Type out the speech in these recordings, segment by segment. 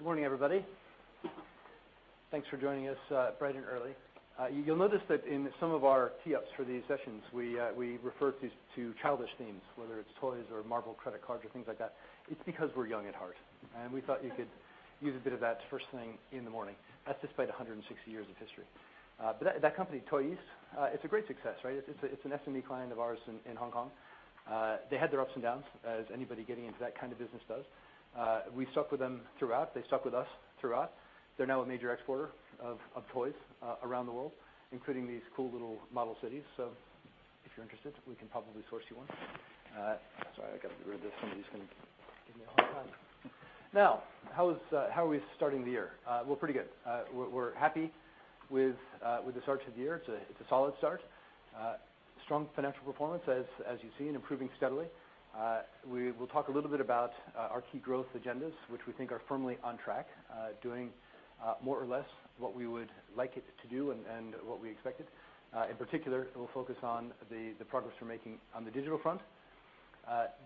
Good morning, everybody. Thanks for joining us bright and early. You'll notice that in some of our tee-ups for these sessions, we refer to childish themes, whether it's toys or Marvel credit cards or things like that. It's because we're young at heart, and we thought you could use a bit of that first thing in the morning. That despite 160 years of history. That company, Toyeast, it's a great success, right? It's an SME client of ours in Hong Kong. They had their ups and downs as anybody getting into that kind of business does. We stuck with them throughout. They stuck with us throughout. They're now a major exporter of toys around the world, including these cool little model cities. If you're interested, we can probably source you one. Sorry, I got to get rid of this. Some of these things give me a hard time. How are we starting the year? Pretty good. We're happy with this start to the year. It's a solid start. Strong financial performance as you see, and improving steadily. We will talk a little bit about our key growth agendas, which we think are firmly on track, doing more or less what we would like it to do and what we expected. In particular, we'll focus on the progress we're making on the digital front.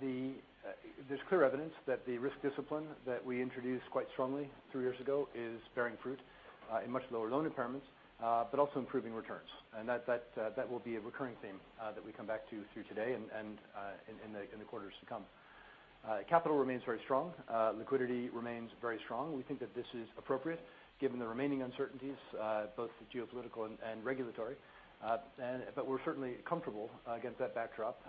There's clear evidence that the risk discipline that we introduced quite strongly three years ago is bearing fruit in much lower loan impairments, but also improving returns. That will be a recurring theme that we come back to through today and in the quarters to come. Capital remains very strong. Liquidity remains very strong. We think that this is appropriate given the remaining uncertainties, both the geopolitical and regulatory. We're certainly comfortable against that backdrop,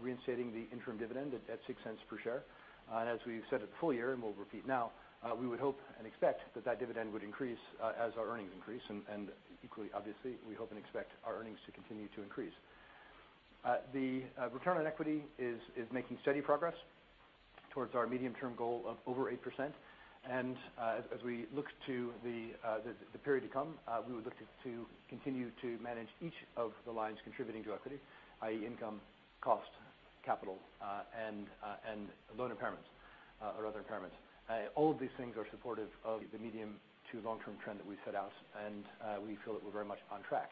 reinstating the interim dividend at $0.06 per share. As we've said at the full year, and we'll repeat now, we would hope and expect that that dividend would increase as our earnings increase, and equally, obviously, we hope and expect our earnings to continue to increase. The return on equity is making steady progress towards our medium-term goal of over 8%. As we look to the period to come, we would look to continue to manage each of the lines contributing to equity, i.e. income, cost, capital, and loan impairments or other impairments. All of these things are supportive of the medium to long-term trend that we've set out, and we feel that we're very much on track.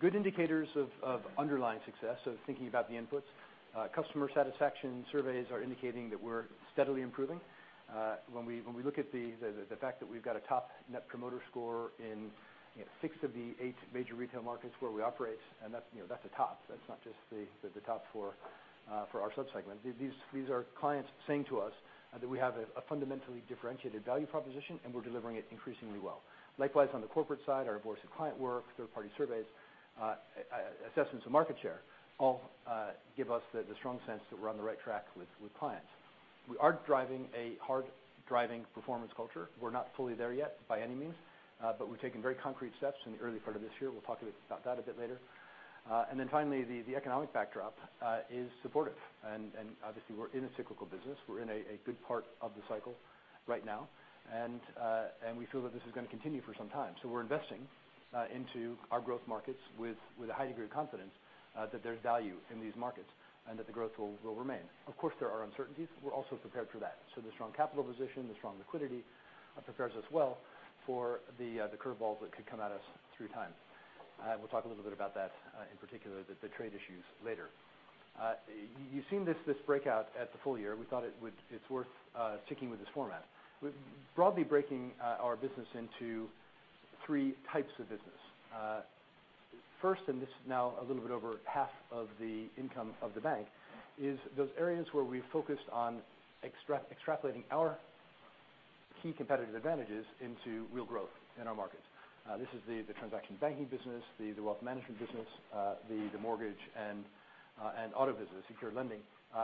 Good indicators of underlying success, thinking about the inputs. Customer satisfaction surveys are indicating that we're steadily improving. When we look at the fact that we've got a top Net Promoter Score in six of the eight major retail markets where we operate, and that's a top, that's not just the top four for our sub-segment. These are clients saying to us that we have a fundamentally differentiated value proposition, and we're delivering it increasingly well. Likewise, on the corporate side, our voice of client work, third-party surveys, assessments of market share all give us the strong sense that we're on the right track with clients. We are driving a hard-driving performance culture. We're not fully there yet by any means but we're taking very concrete steps in the early part of this year. We'll talk about that a bit later. Finally, the economic backdrop is supportive. Obviously, we're in a cyclical business. We're in a good part of the cycle right now. We feel that this is going to continue for some time. We're investing into our growth markets with a high degree of confidence that there's value in these markets and that the growth will remain. Of course, there are uncertainties. We're also prepared for that. The strong capital position, the strong liquidity prepares us well for the curveballs that could come at us through time. We'll talk a little bit about that, in particular, the trade issues later. You've seen this breakout at the full year. We thought it's worth sticking with this format. We're broadly breaking our business into three types of business. First, this is now a little bit over half of the income of the bank, is those areas where we focused on extrapolating our key competitive advantages into real growth in our markets. This is the transaction banking business, the wealth management business, the mortgage and auto business, secured lending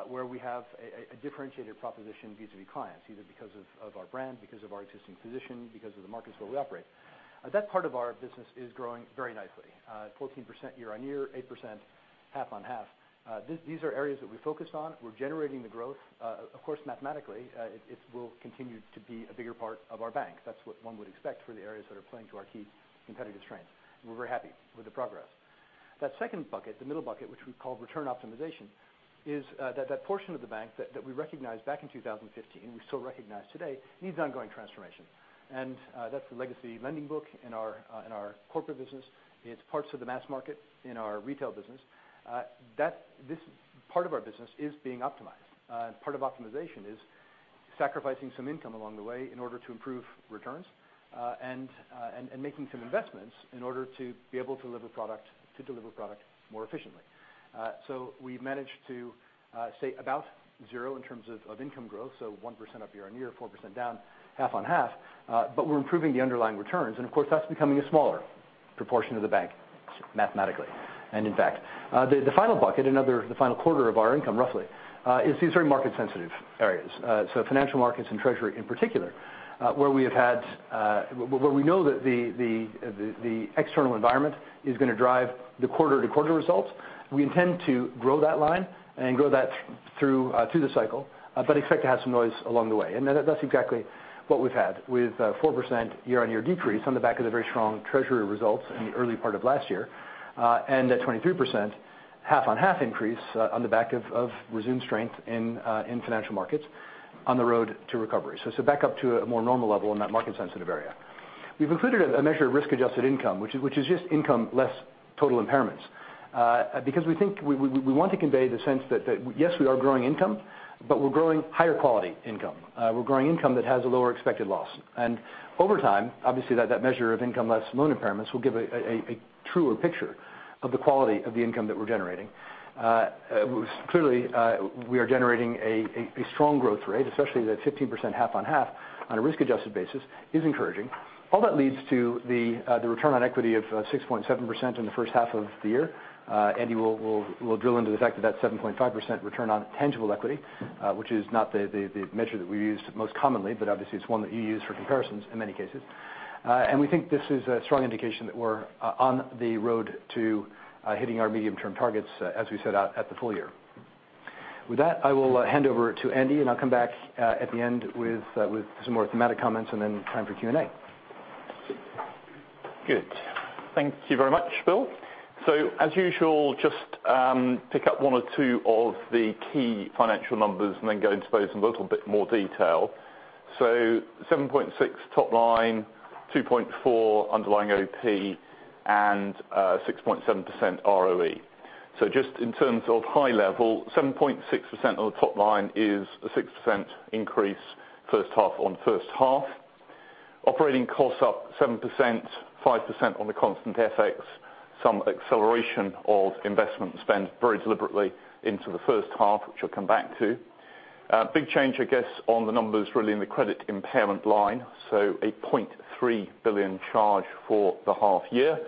where we have a differentiated proposition vis-à-vis clients, either because of our brand, because of our existing position, because of the markets where we operate. That part of our business is growing very nicely. 14% year-on-year, 8% half-on-half. These are areas that we focused on. We're generating the growth. Mathematically it will continue to be a bigger part of our bank. That's what one would expect for the areas that are playing to our key competitive strengths. We're very happy with the progress. That second bucket, the middle bucket, which we call return optimization, is that portion of the bank that we recognized back in 2015, we still recognize today, needs ongoing transformation. That's the legacy lending book in our corporate business. It's parts of the mass market in our retail business. This part of our business is being optimized. Part of optimization is sacrificing some income along the way in order to improve returns and making some investments in order to be able to deliver product more efficiently. We've managed to stay about zero in terms of income growth, 1% up year-on-year, 4% down half-on-half, but we're improving the underlying returns. Of course, that's becoming a smaller proportion of the bank mathematically. In fact, the final bucket, the final quarter of our income, roughly is these very market-sensitive areas. Financial markets and treasury in particular where we know that the external environment is going to drive the quarter-to-quarter results. We intend to grow that line and grow that through the cycle but expect to have some noise along the way. That's exactly what we've had with 4% year-on-year decrease on the back of the very strong treasury results in the early part of last year. A 23% half-on-half increase on the back of resumed strength in financial markets on the road to recovery. Back up to a more normal level in that market-sensitive area. We've included a measure of risk-adjusted income, which is just income less total impairments. We think we want to convey the sense that, yes, we are growing income, but we're growing higher quality income. We're growing income that has a lower expected loss. Over time, obviously, that measure of income less loan impairments will give a truer picture of the quality of the income that we are generating. Clearly, we are generating a strong growth rate, especially that 15% half on half on a risk-adjusted basis is encouraging. All that leads to the return on equity of 6.7% in the first half of the year. Andy will drill into the fact that that 7.5% return on tangible equity, which is not the measure that we use most commonly, but obviously, it is one that you use for comparisons in many cases. We think this is a strong indication that we are on the road to hitting our medium-term targets as we set out at the full year. With that, I will hand over to Andy, and I will come back at the end with some more thematic comments, and then time for Q&A. Good. Thank you very much, Bill. As usual, just pick up one or two of the key financial numbers and then go into those in a little bit more detail. $7.6 top line, $2.4 underlying OP, and 6.7% ROE. Just in terms of high level, 7.6% on the top line is a 6% increase first half on first half. Operating costs up 7%, 5% on the constant FX. Some acceleration of investment spend very deliberately into the first half, which I will come back to. Big change, I guess, on the numbers really in the credit impairment line. A $0.3 billion charge for the half year,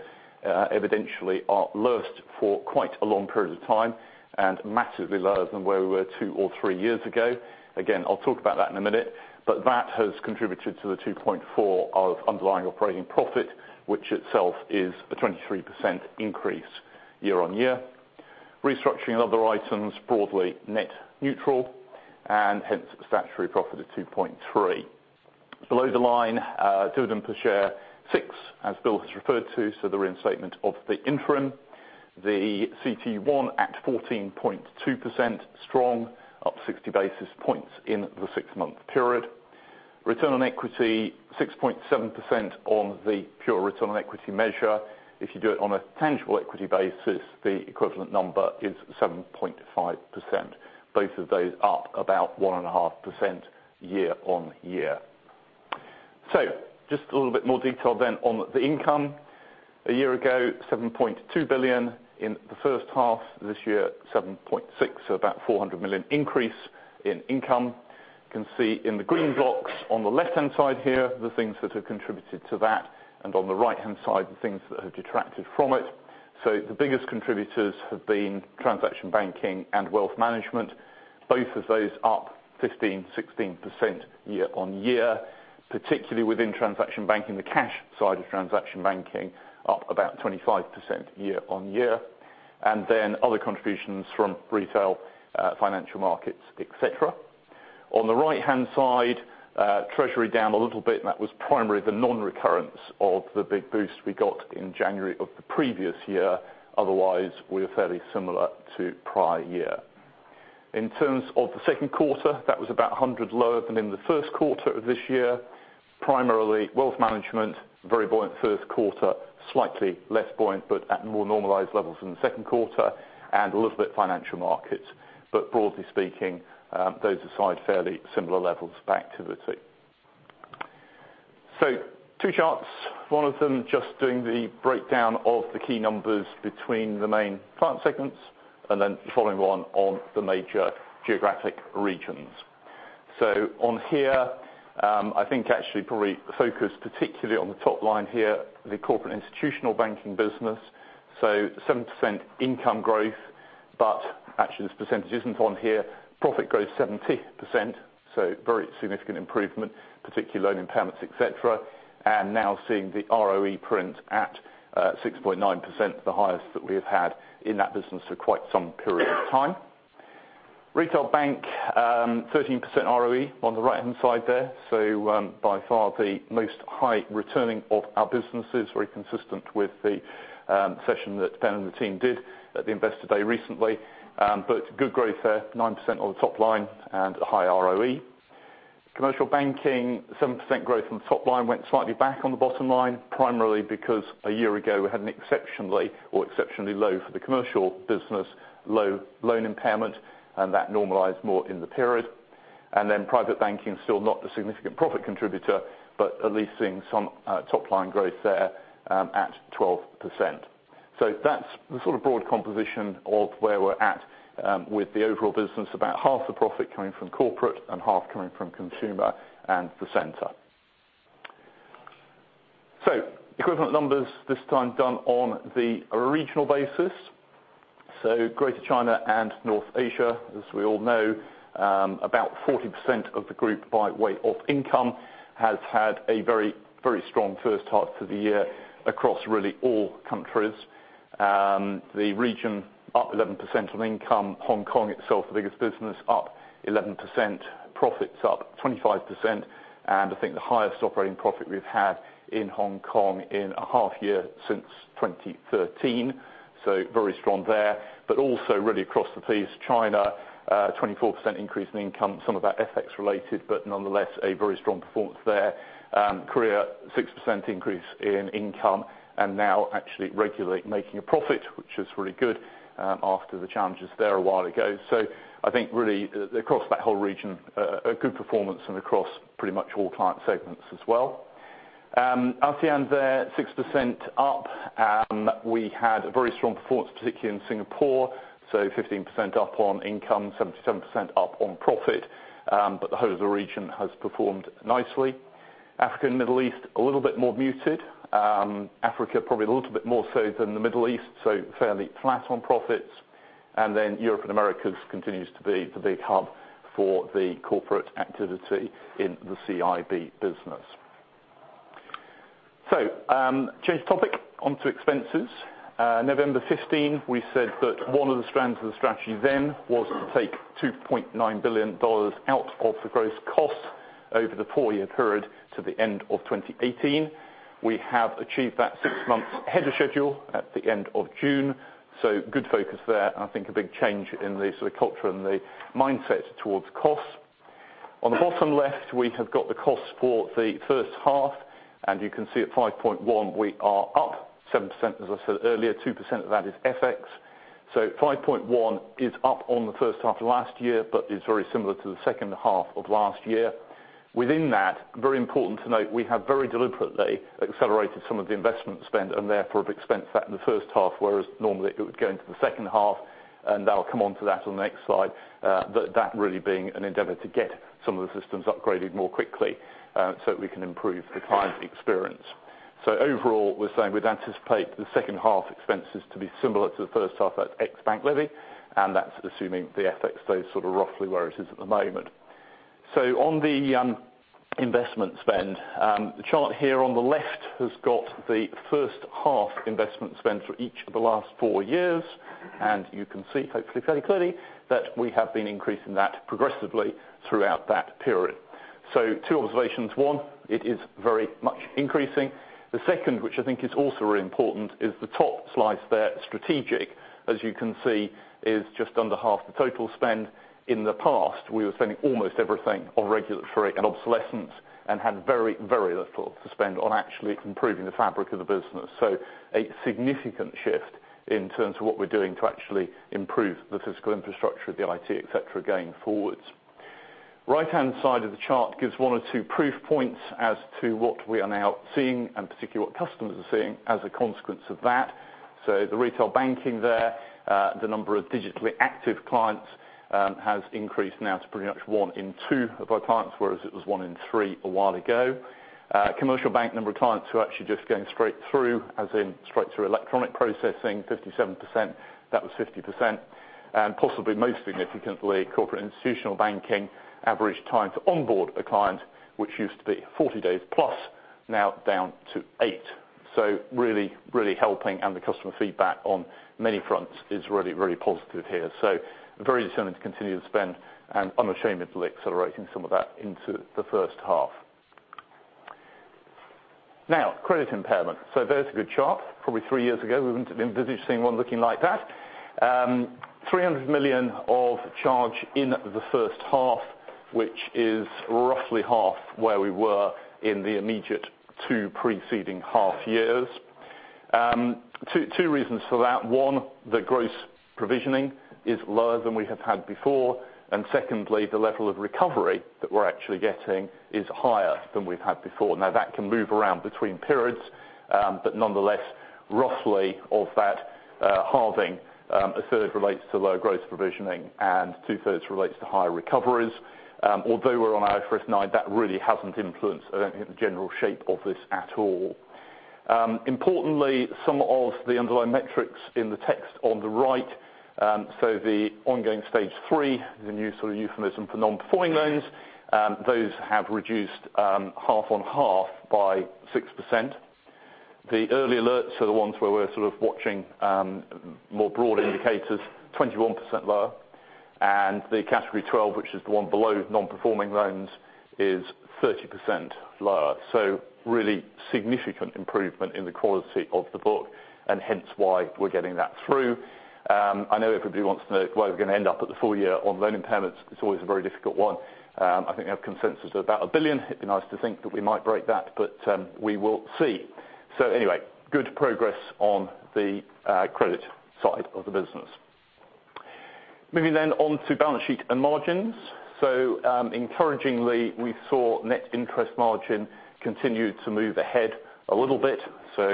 evidentially our lowest for quite a long period of time, and massively lower than where we were two or three years ago. Again, I will talk about that in a minute. That has contributed to the $2.4 of underlying operating profit, which itself is a 23% increase year-on-year. Restructuring and other items broadly net neutral, and hence statutory profit of $2.3. Below the line, dividend per share, 6, as Bill has referred to, the reinstatement of the interim. The CET1 at 14.2% strong, up 60 basis points in the six-month period. Return on equity, 6.7% on the pure return on equity measure. If you do it on a tangible equity basis, the equivalent number is 7.5%. Both of those up about 1.5% year-on-year. Just a little bit more detail then on the income. A year ago, $7.2 billion. In the first half this year, $7.6, about $400 million increase in income. You can see in the green blocks on the left-hand side here, the things that have contributed to that, and on the right-hand side, the things that have detracted from it. The biggest contributors have been transaction banking and wealth management. Both of those up 15%, 16% year-on-year, particularly within transaction banking. The cash side of transaction banking up about 25% year-on-year. Then other contributions from retail, financial markets, et cetera. On the right-hand side, treasury down a little bit, and that was primarily the non-recurrence of the big boost we got in January of the previous year. Otherwise, we are fairly similar to prior year. In terms of the second quarter, that was about $100 lower than in the first quarter of this year. Primarily wealth management, very buoyant first quarter, slightly less buoyant but at more normalized levels in the second quarter, and a little bit financial markets. Broadly speaking, those aside, fairly similar levels of activity. Two charts, one of them just doing the breakdown of the key numbers between the main client segments, and then the following one on the major geographic regions. On here, I think actually probably focus particularly on the top line here, the Corporate & Institutional Banking business. 7% income growth, but actually, this percentage isn't on here. Profit growth 70%, very significant improvement, particularly loan impairments, et cetera. Now seeing the ROE print at 6.9%, the highest that we have had in that business for quite some period of time. Retail Banking, 13% ROE on the right-hand side there. By far the most high returning of our businesses, very consistent with the session that Ben and the team did at the Investor Day recently. Good growth there, 9% on the top line and a high ROE. Commercial Banking, 7% growth on the top line, went slightly back on the bottom line, primarily because a year ago, we had an exceptionally low for the commercial business, low loan impairment, and that normalized more in the period. Then Private Banking, still not the significant profit contributor, but at least seeing some top-line growth there at 12%. That's the sort of broad composition of where we're at with the overall business, about half the profit coming from corporate and half coming from consumer and the center. Equivalent numbers this time done on the regional basis. Greater China and North Asia, as we all know, about 40% of the group by way of income has had a very strong first half to the year across really all countries. The region up 11% on income. Hong Kong itself, the biggest business, up 11%, profits up 25%, and I think the highest operating profit we've had in Hong Kong in a half year since 2013. Very strong there, but also really across the piece. China, 24% increase in income, some of that FX related, but nonetheless, a very strong performance there. Korea, 6% increase in income and now actually regularly making a profit, which is really good after the challenges there a while ago. I think really across that whole region, a good performance and across pretty much all client segments as well. ASEAN there, 6% up. We had a very strong performance, particularly in Singapore, 15% up on income, 77% up on profit. The whole of the region has performed nicely. Africa and Middle East, a little bit more muted. Africa probably a little bit more so than the Middle East, fairly flat on profits. Then Europe and Americas continues to be the big hub for the corporate activity in the CIB business. Change of topic, onto expenses. November 15, we said that one of the strands of the strategy then was to take $2.9 billion out of the gross costs over the four-year period to the end of 2018. We have achieved that six months ahead of schedule at the end of June, good focus there, and I think a big change in the culture and the mindset towards costs. On the bottom left, we have got the cost for the first half. You can see at 5.1 we are up 7%. As I said earlier, 2% of that is FX. 5.1 is up on the first half of last year, but is very similar to the second half of last year. Within that, very important to note, we have very deliberately accelerated some of the investment spend and therefore have expensed that in the first half, whereas normally it would go into the second half, and I'll come onto that on the next slide. That really being an endeavor to get some of the systems upgraded more quickly so that we can improve the client experience. Overall, we're saying we'd anticipate the second half expenses to be similar to the first half at ex bank levy, and that's assuming the FX stays roughly where it is at the moment. On the investment spend, the chart here on the left has got the first half investment spend for each of the last four years, and you can see hopefully fairly clearly that we have been increasing that progressively throughout that period. Two observations. One, it is very much increasing. The second, which I think is also really important, is the top slice there, strategic, as you can see, is just under half the total spend. In the past, we were spending almost everything on regulatory and obsolescence and had very little to spend on actually improving the fabric of the business. A significant shift in terms of what we're doing to actually improve the physical infrastructure of the IT, et cetera, going forwards. Right-hand side of the chart gives one or two proof points as to what we are now seeing, and particularly what customers are seeing as a consequence of that. The retail banking there, the number of digitally active clients has increased now to pretty much one in two of our clients, whereas it was one in three a while ago. Commercial bank number of clients who are actually just going straight through, as in straight through electronic processing, 57%. That was 50%. Possibly most significantly, Corporate & Institutional Banking average time to onboard a client, which used to be 40 days plus, now down to eight. Really helping, and the customer feedback on many fronts is really positive here. I'm very determined to continue to spend and unashamedly accelerating some of that into the first half. Now, credit impairment. There's a good chart. Probably three years ago, we wouldn't have envisaged seeing one looking like that. 300 million of charge in the first half, which is roughly half where we were in the immediate two preceding half years. Two reasons for that. One, the gross provisioning is lower than we have had before. Secondly, the level of recovery that we're actually getting is higher than we've had before. Now, that can move around between periods, but nonetheless, roughly of that halving, a third relates to lower gross provisioning, and two thirds relates to higher recoveries. Although we're on IFRS 9, that really hasn't influenced, I don't think, the general shape of this at all. Importantly, some of the underlying metrics in the text on the right, the ongoing Stage 3 is a new sort of euphemism for non-performing loans. Those have reduced half on half by 6%. The early alerts are the ones where we're sort of watching more broad indicators, 21% lower. The Category 12, which is the one below non-performing loans, is 30% lower. Really significant improvement in the quality of the book, and hence why we're getting that through. I know everybody wants to know where we're going to end up at the full year on loan impairments. It's always a very difficult one. I think they have consensus of about $1 billion. It'd be nice to think that we might break that, but we will see. Anyway, good progress on the credit side of the business. Moving on to balance sheet and margins. Encouragingly, we saw net interest margin continue to move ahead a little bit.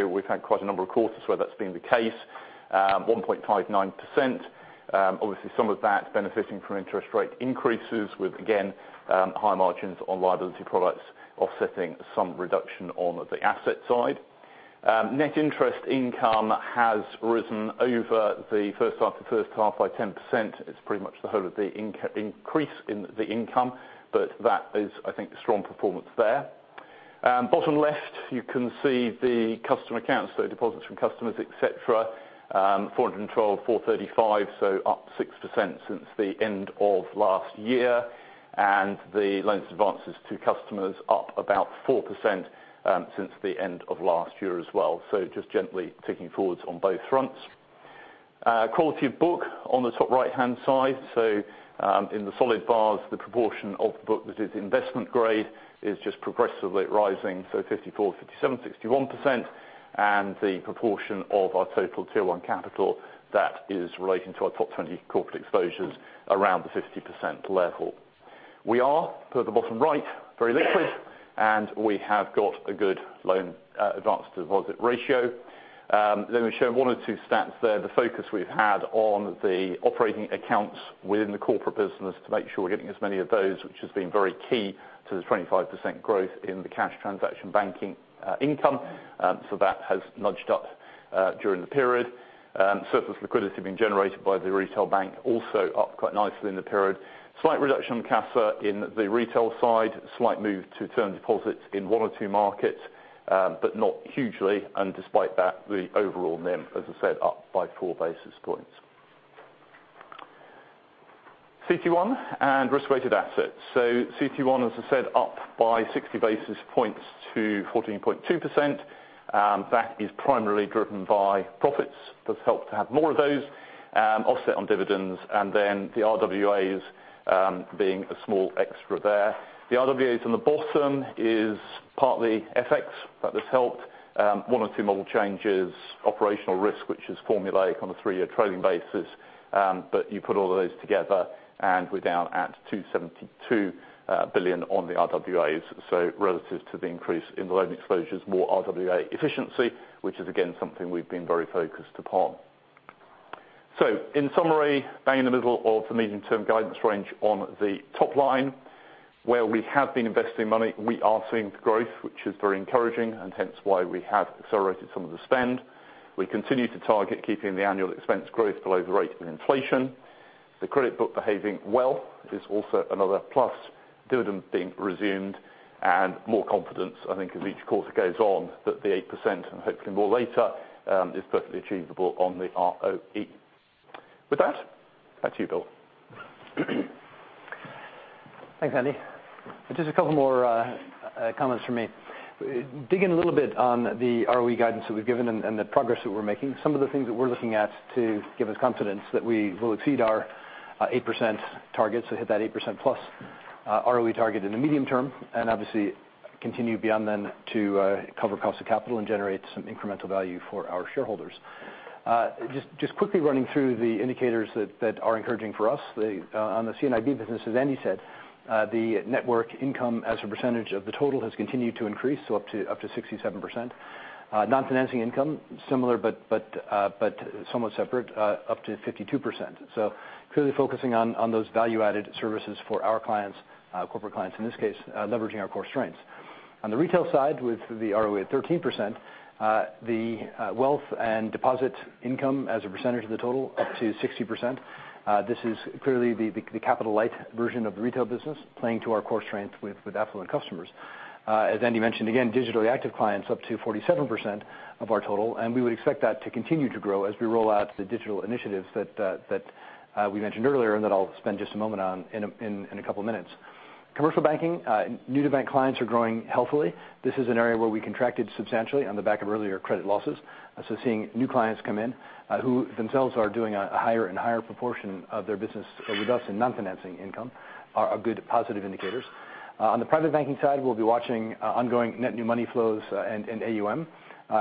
We've had quite a number of quarters where that's been the case. 1.59%. Obviously, some of that benefiting from interest rate increases with, again, higher margins on liability products offsetting some reduction on the asset side. Net interest income has risen over the first half to first half by 10%. It's pretty much the whole of the increase in the income, but that is, I think, a strong performance there. Bottom left, you can see the customer accounts, deposits from customers, et cetera, $412, $435, up 6% since the end of last year. The loans advances to customers up about 4% since the end of last year as well. Just gently ticking forwards on both fronts. Quality of book on the top right-hand side. In the solid bars, the proportion of the book that is investment grade is just progressively rising. 54%, 57%, 61%, and the proportion of our total Tier 1 capital that is relating to our top 20 corporate exposures around the 50% level. We are, per the bottom right, very liquid, and we have got a good loan advance-to-deposit ratio. Let me show one or two stats there. The focus we've had on the operating accounts within the corporate business to make sure we're getting as many of those, which has been very key to the 25% growth in the cash transaction banking income. That has nudged up during the period. Surplus liquidity being generated by the retail bank, also up quite nicely in the period. Slight reduction in CASA in the retail side, slight move to term deposits in one or two markets, but not hugely. Despite that, the overall NIM, as I said, up by four basis points. CT1 and risk-weighted assets. CT1, as I said, up by 60 basis points to 14.2%. That is primarily driven by profits. It does help to have more of those. Offset on dividends, the RWAs being a small extra there. The RWAs on the bottom is partly FX. That has helped. One or two model changes. Operational risk, which is formulaic on a three-year trailing basis. You put all of those together, and we're down at $272 billion on the RWAs. Relative to the increase in the loan exposures, more RWA efficiency, which is again, something we've been very focused upon. In summary, bang in the middle of the medium-term guidance range on the top line. Where we have been investing money, we are seeing growth, which is very encouraging, and hence why we have accelerated some of the spend. We continue to target keeping the annual expense growth below the rate of inflation. The credit book behaving well is also another plus. Dividend being resumed and more confidence, I think as each quarter goes on, that the 8%, and hopefully more later, is perfectly achievable on the ROE. With that, back to you, Bill. Thanks, Andy. Just a couple more comments from me. Dig in a little bit on the ROE guidance that we've given and the progress that we're making. Some of the things that we're looking at to give us confidence that we will exceed our 8% target, so hit that 8% plus ROE target in the medium term, and obviously continue beyond then to cover cost of capital and generate some incremental value for our shareholders. Just quickly running through the indicators that are encouraging for us. On the C&IB business, as Andy said, the network income as a percentage of the total has continued to increase, so up to 67%. Non-financing income, similar but somewhat separate, up to 52%. Clearly focusing on those value-added services for our clients, corporate clients in this case, leveraging our core strengths. On the retail side, with the ROA at 13%, the wealth and deposit income as a percentage of the total up to 60%. This is clearly the capital-light version of the retail business playing to our core strength with affluent customers. As Andy mentioned, again, digitally active clients up to 47% of our total, and we would expect that to continue to grow as we roll out the digital initiatives that we mentioned earlier and that I'll spend just a moment on in a couple of minutes. Commercial banking. New-to-bank clients are growing healthily. This is an area where we contracted substantially on the back of earlier credit losses. Seeing new clients come in who themselves are doing a higher and higher proportion of their business with us in non-financing income are good positive indicators. On the private banking side, we'll be watching ongoing net new money flows and AUM.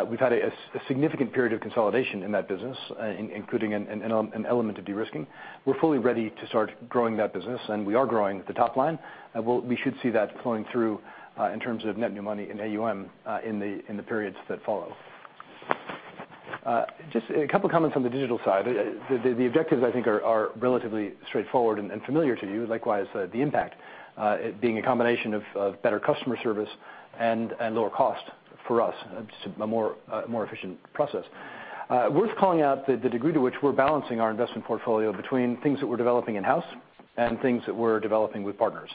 We've had a significant period of consolidation in that business, including an element of de-risking. We're fully ready to start growing that business, and we are growing the top line. We should see that flowing through, in terms of net new money and AUM, in the periods that follow. Just a couple of comments on the digital side. The objectives, I think, are relatively straightforward and familiar to you. Likewise, the impact, it being a combination of better customer service and lower cost for us. A more efficient process. Worth calling out the degree to which we're balancing our investment portfolio between things that we're developing in-house and things that we're developing with partners.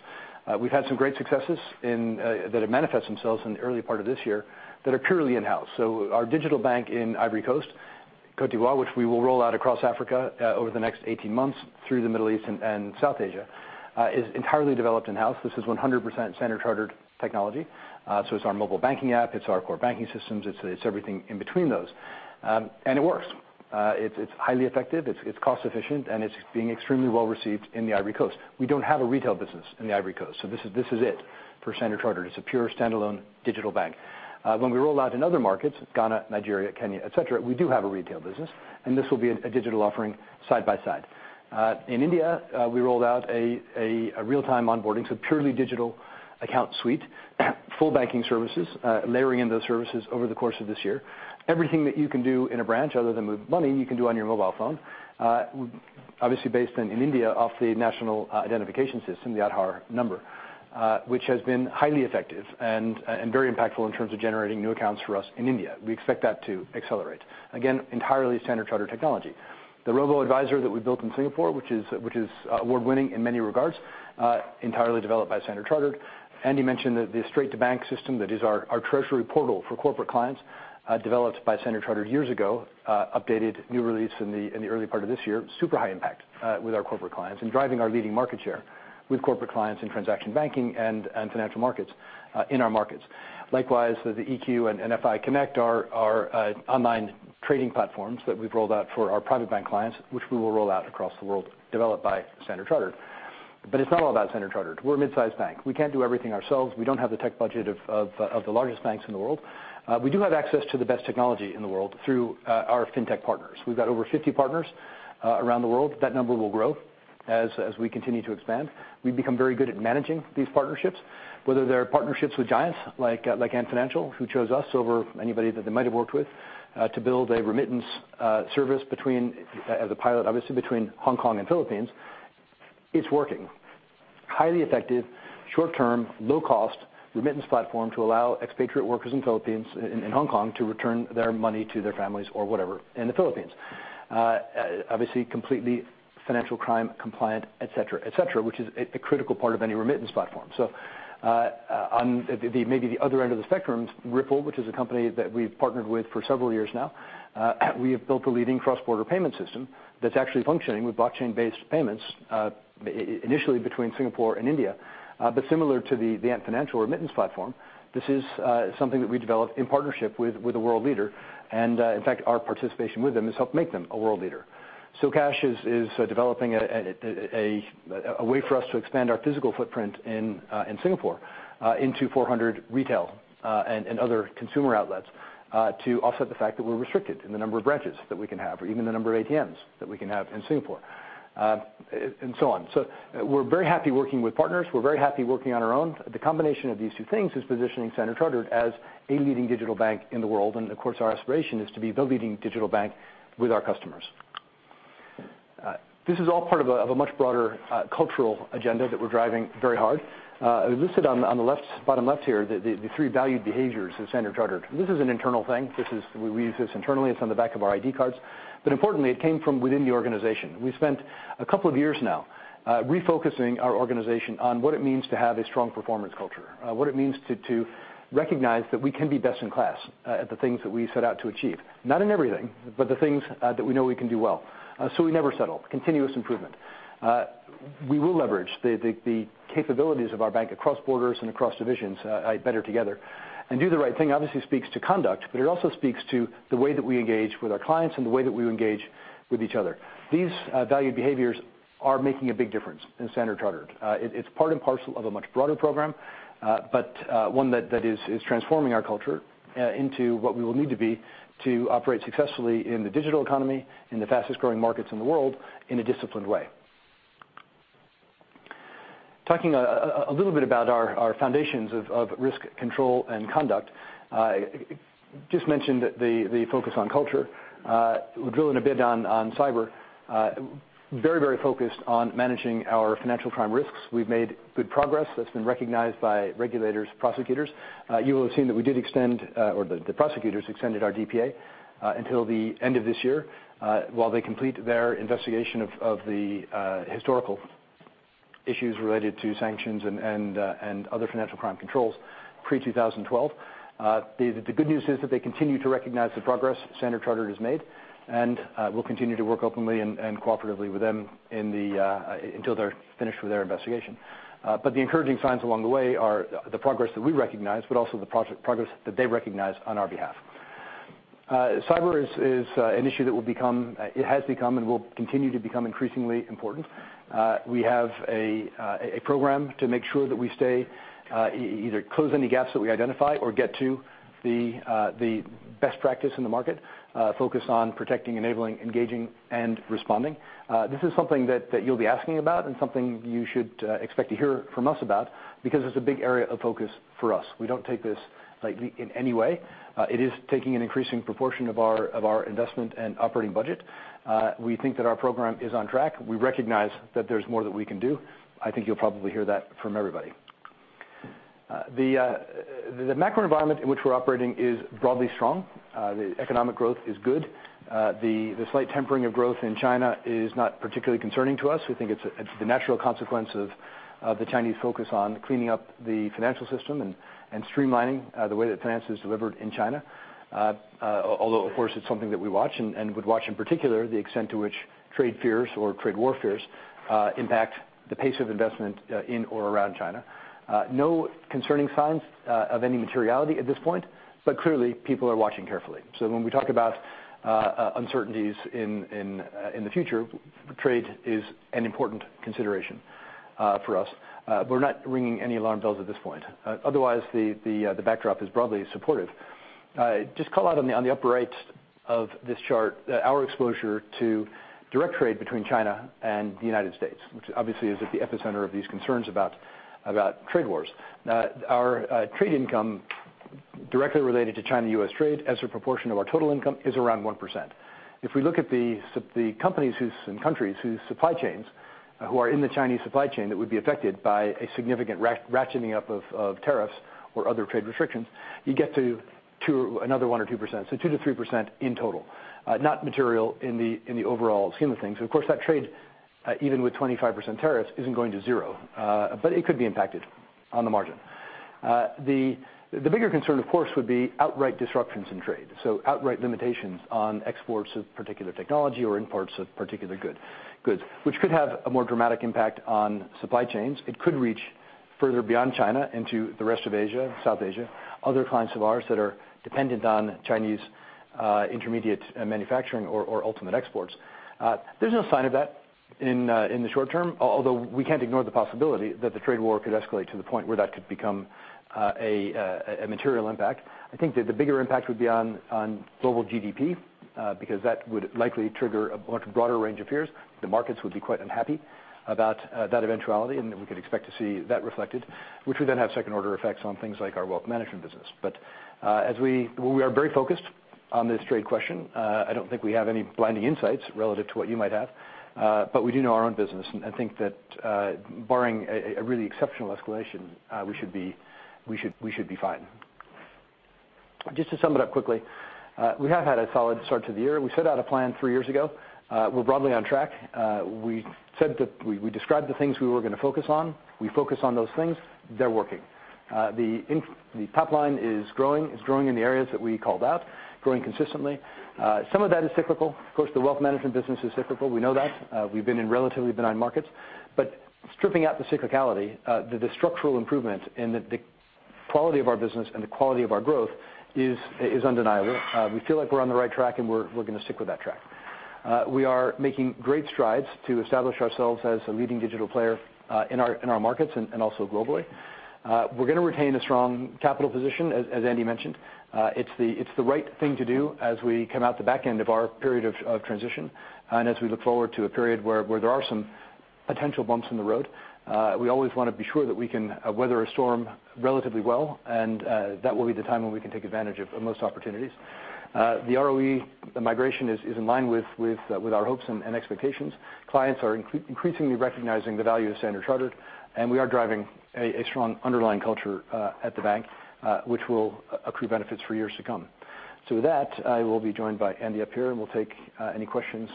We've had some great successes that have manifested themselves in the early part of this year that are purely in-house. Our digital bank in Ivory Coast, Cote d'Ivoire, which we will roll out across Africa over the next 18 months through the Middle East and South Asia, is entirely developed in-house. This is 100% Standard Chartered technology. It is our mobile banking app, it is our core banking systems, it is everything in between those. It works. It is highly effective, it is cost efficient, and it is being extremely well-received in the Ivory Coast. We do not have a retail business in the Ivory Coast, this is it for Standard Chartered. It is a pure standalone digital bank. When we roll out in other markets, Ghana, Nigeria, Kenya, et cetera, we do have a retail business, and this will be a digital offering side by side. In India, we rolled out a real-time onboarding, purely digital account suite. Full banking services, layering in those services over the course of this year. Everything that you can do in a branch other than move money, you can do on your mobile phone. Obviously based in India off the national identification system, the Aadhaar number, which has been highly effective and very impactful in terms of generating new accounts for us in India. We expect that to accelerate. Again, entirely Standard Chartered technology. The robo-advisor that we built in Singapore, which is award-winning in many regards, entirely developed by Standard Chartered. Andy mentioned the Straight2Bank system that is our treasury portal for corporate clients, developed by Standard Chartered years ago. Updated new release in the early part of this year. Super high impact with our corporate clients and driving our leading market share with corporate clients in transaction banking and financial markets in our markets. Likewise, the EQ and FI Connect are our online trading platforms that we have rolled out for our private bank clients, which we will roll out across the world, developed by Standard Chartered. It is not all about Standard Chartered. We are a midsize bank. We cannot do everything ourselves. We do not have the tech budget of the largest banks in the world. We do have access to the best technology in the world through our fintech partners. We have got over 50 partners around the world. That number will grow. As we continue to expand, we have become very good at managing these partnerships, whether they are partnerships with giants like Ant Financial, who chose us over anybody that they might have worked with, to build a remittance service as a pilot, obviously between Hong Kong and Philippines. It is working. Highly effective, short-term, low-cost remittance platform to allow expatriate workers in Hong Kong to return their money to their families or whatever in the Philippines. Obviously, completely financial crime compliant, et cetera, which is a critical part of any remittance platform. On maybe the other end of the spectrum, Ripple, which is a company that we have partnered with for several years now. We have built a leading cross-border payment system that is actually functioning with blockchain-based payments, initially between Singapore and India. Similar to the Ant Financial remittance platform, this is something that we developed in partnership with a world leader. In fact, our participation with them has helped make them a world leader. soCash is developing a way for us to expand our physical footprint in Singapore into 400 retail and other consumer outlets, to offset the fact that we are restricted in the number of branches that we can have or even the number of ATMs that we can have in Singapore. So on. We are very happy working with partners. We are very happy working on our own. The combination of these two things is positioning Standard Chartered as a leading digital bank in the world. Of course, our aspiration is to be the leading digital bank with our customers. This is all part of a much broader cultural agenda that we are driving very hard. Listed on the bottom left here, the three valued behaviors of Standard Chartered. This is an internal thing. We use this internally. It is on the back of our ID cards. Importantly, it came from within the organization. We spent a couple of years now refocusing our organization on what it means to have a strong performance culture, what it means to recognize that we can be best-in-class at the things that we set out to achieve. Not in everything, but the things that we know we can do well. We never settle. Continuous improvement. We will leverage the capabilities of our bank across borders and across divisions better together. Do the right thing obviously speaks to conduct, but it also speaks to the way that we engage with our clients and the way that we engage with each other. These valued behaviors are making a big difference in Standard Chartered. It is part and parcel of a much broader program, but one that is transforming our culture into what we will need to be to operate successfully in the digital economy, in the fastest-growing markets in the world, in a disciplined way. Talking a little bit about our foundations of risk control and conduct. I just mentioned the focus on culture. We will drill in a bit on cyber. Very focused on managing our financial crime risks. We have made good progress that has been recognized by regulators, prosecutors. You will have seen that we did extend, or the prosecutors extended our DPA, until the end of this year, while they complete their investigation of the historical issues related to sanctions and other financial crime controls pre-2012. The good news is that they continue to recognize the progress Standard Chartered has made, and we will continue to work openly and cooperatively with them until they are finished with their investigation. The encouraging signs along the way are the progress that we recognize, but also the progress that they recognize on our behalf. Cyber is an issue that has become, and will continue to become, increasingly important. We have a program to make sure that we either close any gaps that we identify or get to the best practice in the market, focused on protecting, enabling, engaging, and responding. This is something that you will be asking about and something you should expect to hear from us about because it is a big area of focus for us. We do not take this lightly in any way. It is taking an increasing proportion of our investment and OpEx budget. We think that our program is on track. We recognize that there's more that we can do. I think you'll probably hear that from everybody. The macro environment in which we're operating is broadly strong. The economic growth is good. The slight tempering of growth in China is not particularly concerning to us. We think it's the natural consequence of the Chinese focus on cleaning up the financial system and streamlining the way that finance is delivered in China. Of course, it's something that we watch and would watch, in particular, the extent to which trade fears or trade war fears impact the pace of investment in or around China. No concerning signs of any materiality at this point, but clearly, people are watching carefully. When we talk about uncertainties in the future, trade is an important consideration for us. We're not ringing any alarm bells at this point. Otherwise, the backdrop is broadly supportive. Just call out on the upper right of this chart, our exposure to direct trade between China and the U.S., which obviously is at the epicenter of these concerns about trade wars. Our trade income directly related to China-U.S. trade as a proportion of our total income is around 1%. If we look at the companies and countries whose supply chains who are in the Chinese supply chain that would be affected by a significant ratcheting up of tariffs or other trade restrictions, you get to another 1% or 2%. 2% to 3% in total. Not material in the overall scheme of things. Of course, that trade, even with 25% tariffs, isn't going to zero, but it could be impacted on the margin. The bigger concern, of course, would be outright disruptions in trade. Outright limitations on exports of particular technology or imports of particular goods, which could have a more dramatic impact on supply chains. It could reach further beyond China into the rest of Asia, South Asia, other clients of ours that are dependent on Chinese intermediate manufacturing or ultimate exports. There's no sign of that. In the short term, we can't ignore the possibility that the trade war could escalate to the point where that could become a material impact. I think that the bigger impact would be on global GDP, because that would likely trigger a much broader range of fears. The markets would be quite unhappy about that eventuality, we could expect to see that reflected, which would then have second-order effects on things like our wealth management business. We are very focused on this trade question. I don't think we have any blinding insights relative to what you might have. We do know our own business, and I think that barring a really exceptional escalation, we should be fine. Just to sum it up quickly, we have had a solid start to the year. We set out a plan three years ago. We're broadly on track. We described the things we were going to focus on. We focus on those things. They're working. The top line is growing. It's growing in the areas that we called out, growing consistently. Some of that is cyclical. Of course, the wealth management business is cyclical. We know that. We've been in relatively benign markets. Stripping out the cyclicality, the structural improvement in the quality of our business and the quality of our growth is undeniable. We feel like we're on the right track, we're going to stick with that track. We are making great strides to establish ourselves as a leading digital player in our markets and also globally. We're going to retain a strong capital position, as Andy mentioned. It's the right thing to do as we come out the back end of our period of transition. As we look forward to a period where there are some potential bumps in the road, we always want to be sure that we can weather a storm relatively well. That will be the time when we can take advantage of the most opportunities. The ROE, the migration is in line with our hopes and expectations. Clients are increasingly recognizing the value of Standard Chartered, and we are driving a strong underlying culture at the bank, which will accrue benefits for years to come. With that, I will be joined by Andy up here, and we'll take any questions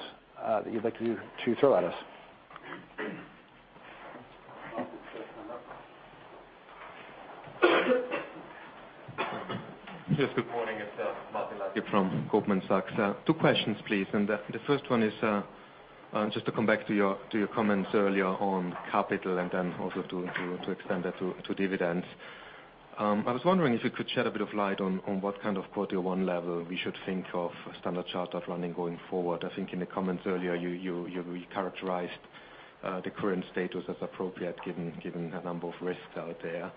that you'd like to throw at us. Martin, first one up. Yes, good morning. It's Martin Leitgeb from Goldman Sachs. Two questions, please, the first one is, just to come back to your comments earlier on capital and then also to extend that to dividends. I was wondering if you could shed a bit of light on what kind of quarter one level we should think of Standard Chartered running going forward. I think in the comments earlier, you characterized the current status as appropriate, given the number of risks out there.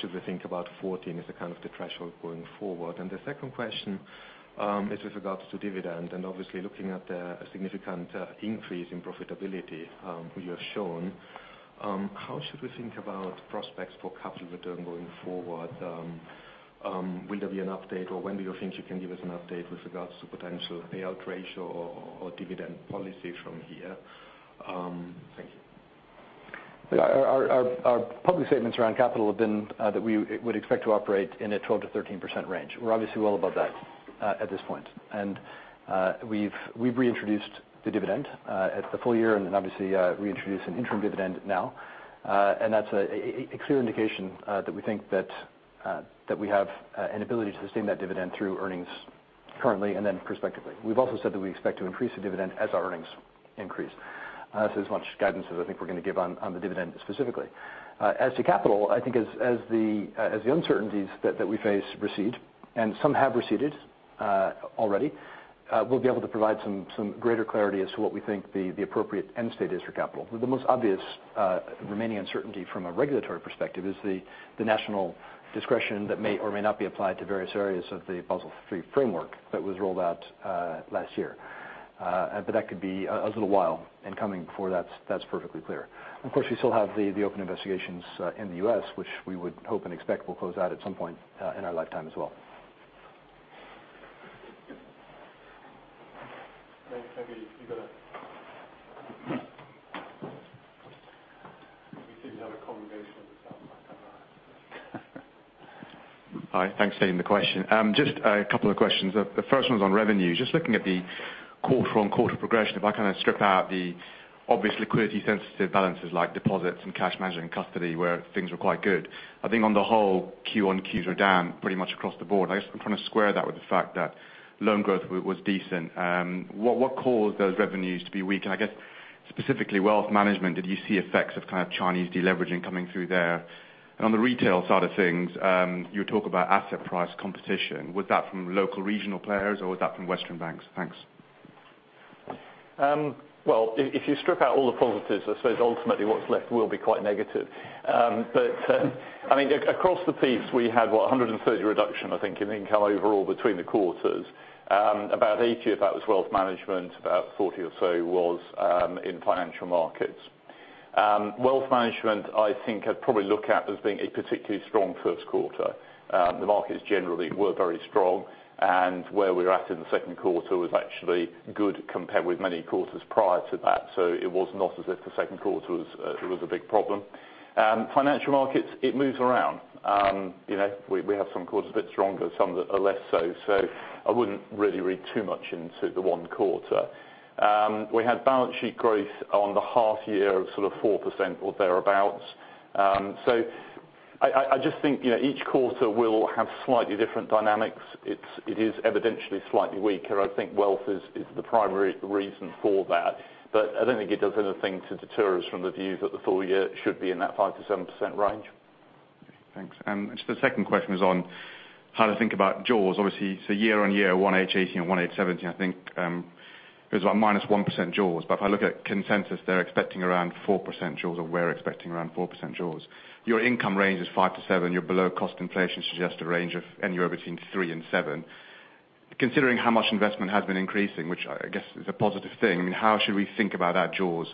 Should we think about 14 as the threshold going forward? The second question, is with regards to dividend. Obviously looking at the significant increase in profitability you have shown, how should we think about prospects for capital return going forward? Will there be an update or when do you think you can give us an update with regards to potential payout ratio or dividend policy from here? Thank you. Our public statements around capital have been that we would expect to operate in a 12%-13% range. We're obviously well above that at this point. We've reintroduced the dividend at the full year and obviously reintroduced an interim dividend now. That's a clear indication that we think that we have an ability to sustain that dividend through earnings currently and then prospectively. We've also said that we expect to increase the dividend as our earnings increase. There's as much guidance as I think we're going to give on the dividend specifically. As to capital, I think as the uncertainties that we face recede, and some have receded already, we'll be able to provide some greater clarity as to what we think the appropriate end state is for capital. The most obvious remaining uncertainty from a regulatory perspective is the national discretion that may or may not be applied to various areas of the Basel III framework that was rolled out last year. That could be a little while in coming before that's perfectly clear. Of course, we still have the open investigations in the U.S., which we would hope and expect will close out at some point in our lifetime as well. We seem to have a congregation at the top. I don't know. Hi. Thanks for taking the question. Just a couple of questions. The first one's on revenue. Just looking at the quarter-on-quarter progression, if I strip out the obvious liquidity sensitive balances like deposits and cash management and custody, where things were quite good. I think on the whole, QoQ are down pretty much across the board. I'm trying to square that with the fact that loan growth was decent. What caused those revenues to be weak? I guess specifically wealth management, did you see effects of Chinese deleveraging coming through there? On the retail side of things, you talk about asset price competition. Was that from local regional players or was that from Western banks? Thanks. If you strip out all the positives, I suppose ultimately what's left will be quite negative. Across the piece, we had, what, $130 reduction, I think in income overall between the quarters. About $80 of that was wealth management, about $40 or so was in financial markets. Wealth management, I think I'd probably look at as being a particularly strong first quarter. The markets generally were very strong, and where we're at in the second quarter was actually good compared with many quarters prior to that. It was not as if the second quarter there was a big problem. Financial markets, it moves around. We have some quarters a bit stronger, some that are less so. I wouldn't really read too much into the one quarter. We had balance sheet growth on the half year of 4% or thereabouts. I just think each quarter will have slightly different dynamics. It is evidentially slightly weaker. I think wealth is the primary reason for that. I don't think it does anything to deter us from the view that the full year should be in that 5%-7% range. Thanks. Just the second question is on how to think about jaws. Year-on-year, 1H18 and 1H17, I think is about -1% jaws. If I look at consensus, they're expecting around 4% jaws or we're expecting around 4% jaws. Your income range is 5%-7%. You're below cost inflation, suggest a range of anywhere between 3% and 7%. Considering how much investment has been increasing, which I guess is a positive thing, how should we think about that jaws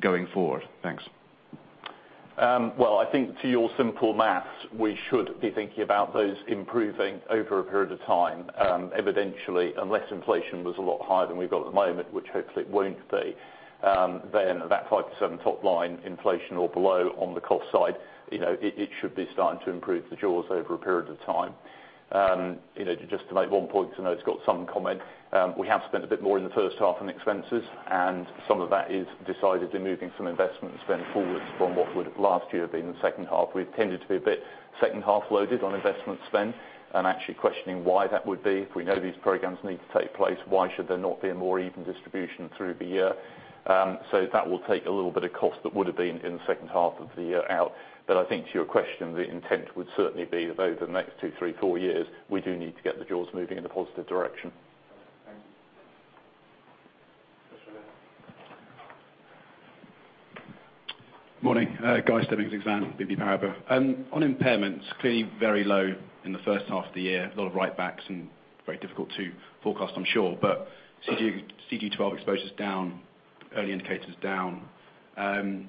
going forward? Thanks. I think to your simple math, we should be thinking about those improving over a period of time. Evidently, unless inflation was a lot higher than we've got at the moment, which hopefully it won't be, then that 5% top line inflation or below on the cost side, it should be starting to improve the jaws over a period of time. Just to make one point, because I know it's got some comment. We have spent a bit more in the first half on expenses. Some of that is decidedly moving some investment spend forwards from what would last year have been the second half. We've tended to be a bit second half loaded on investment spend and actually questioning why that would be. If we know these programs need to take place, why should there not be a more even distribution through the year? That will take a little bit of cost that would have been in the second half of the year out. I think to your question, the intent would certainly be that over the next two, three, four years, we do need to get the jaws moving in a positive direction. Thank you. Morning. Guy Stebbings, Exane BNP Paribas. On impairments, clearly very low in the first half of the year. A lot of write-backs and very difficult to forecast, I'm sure. CG12 exposure's down, early indicators down, and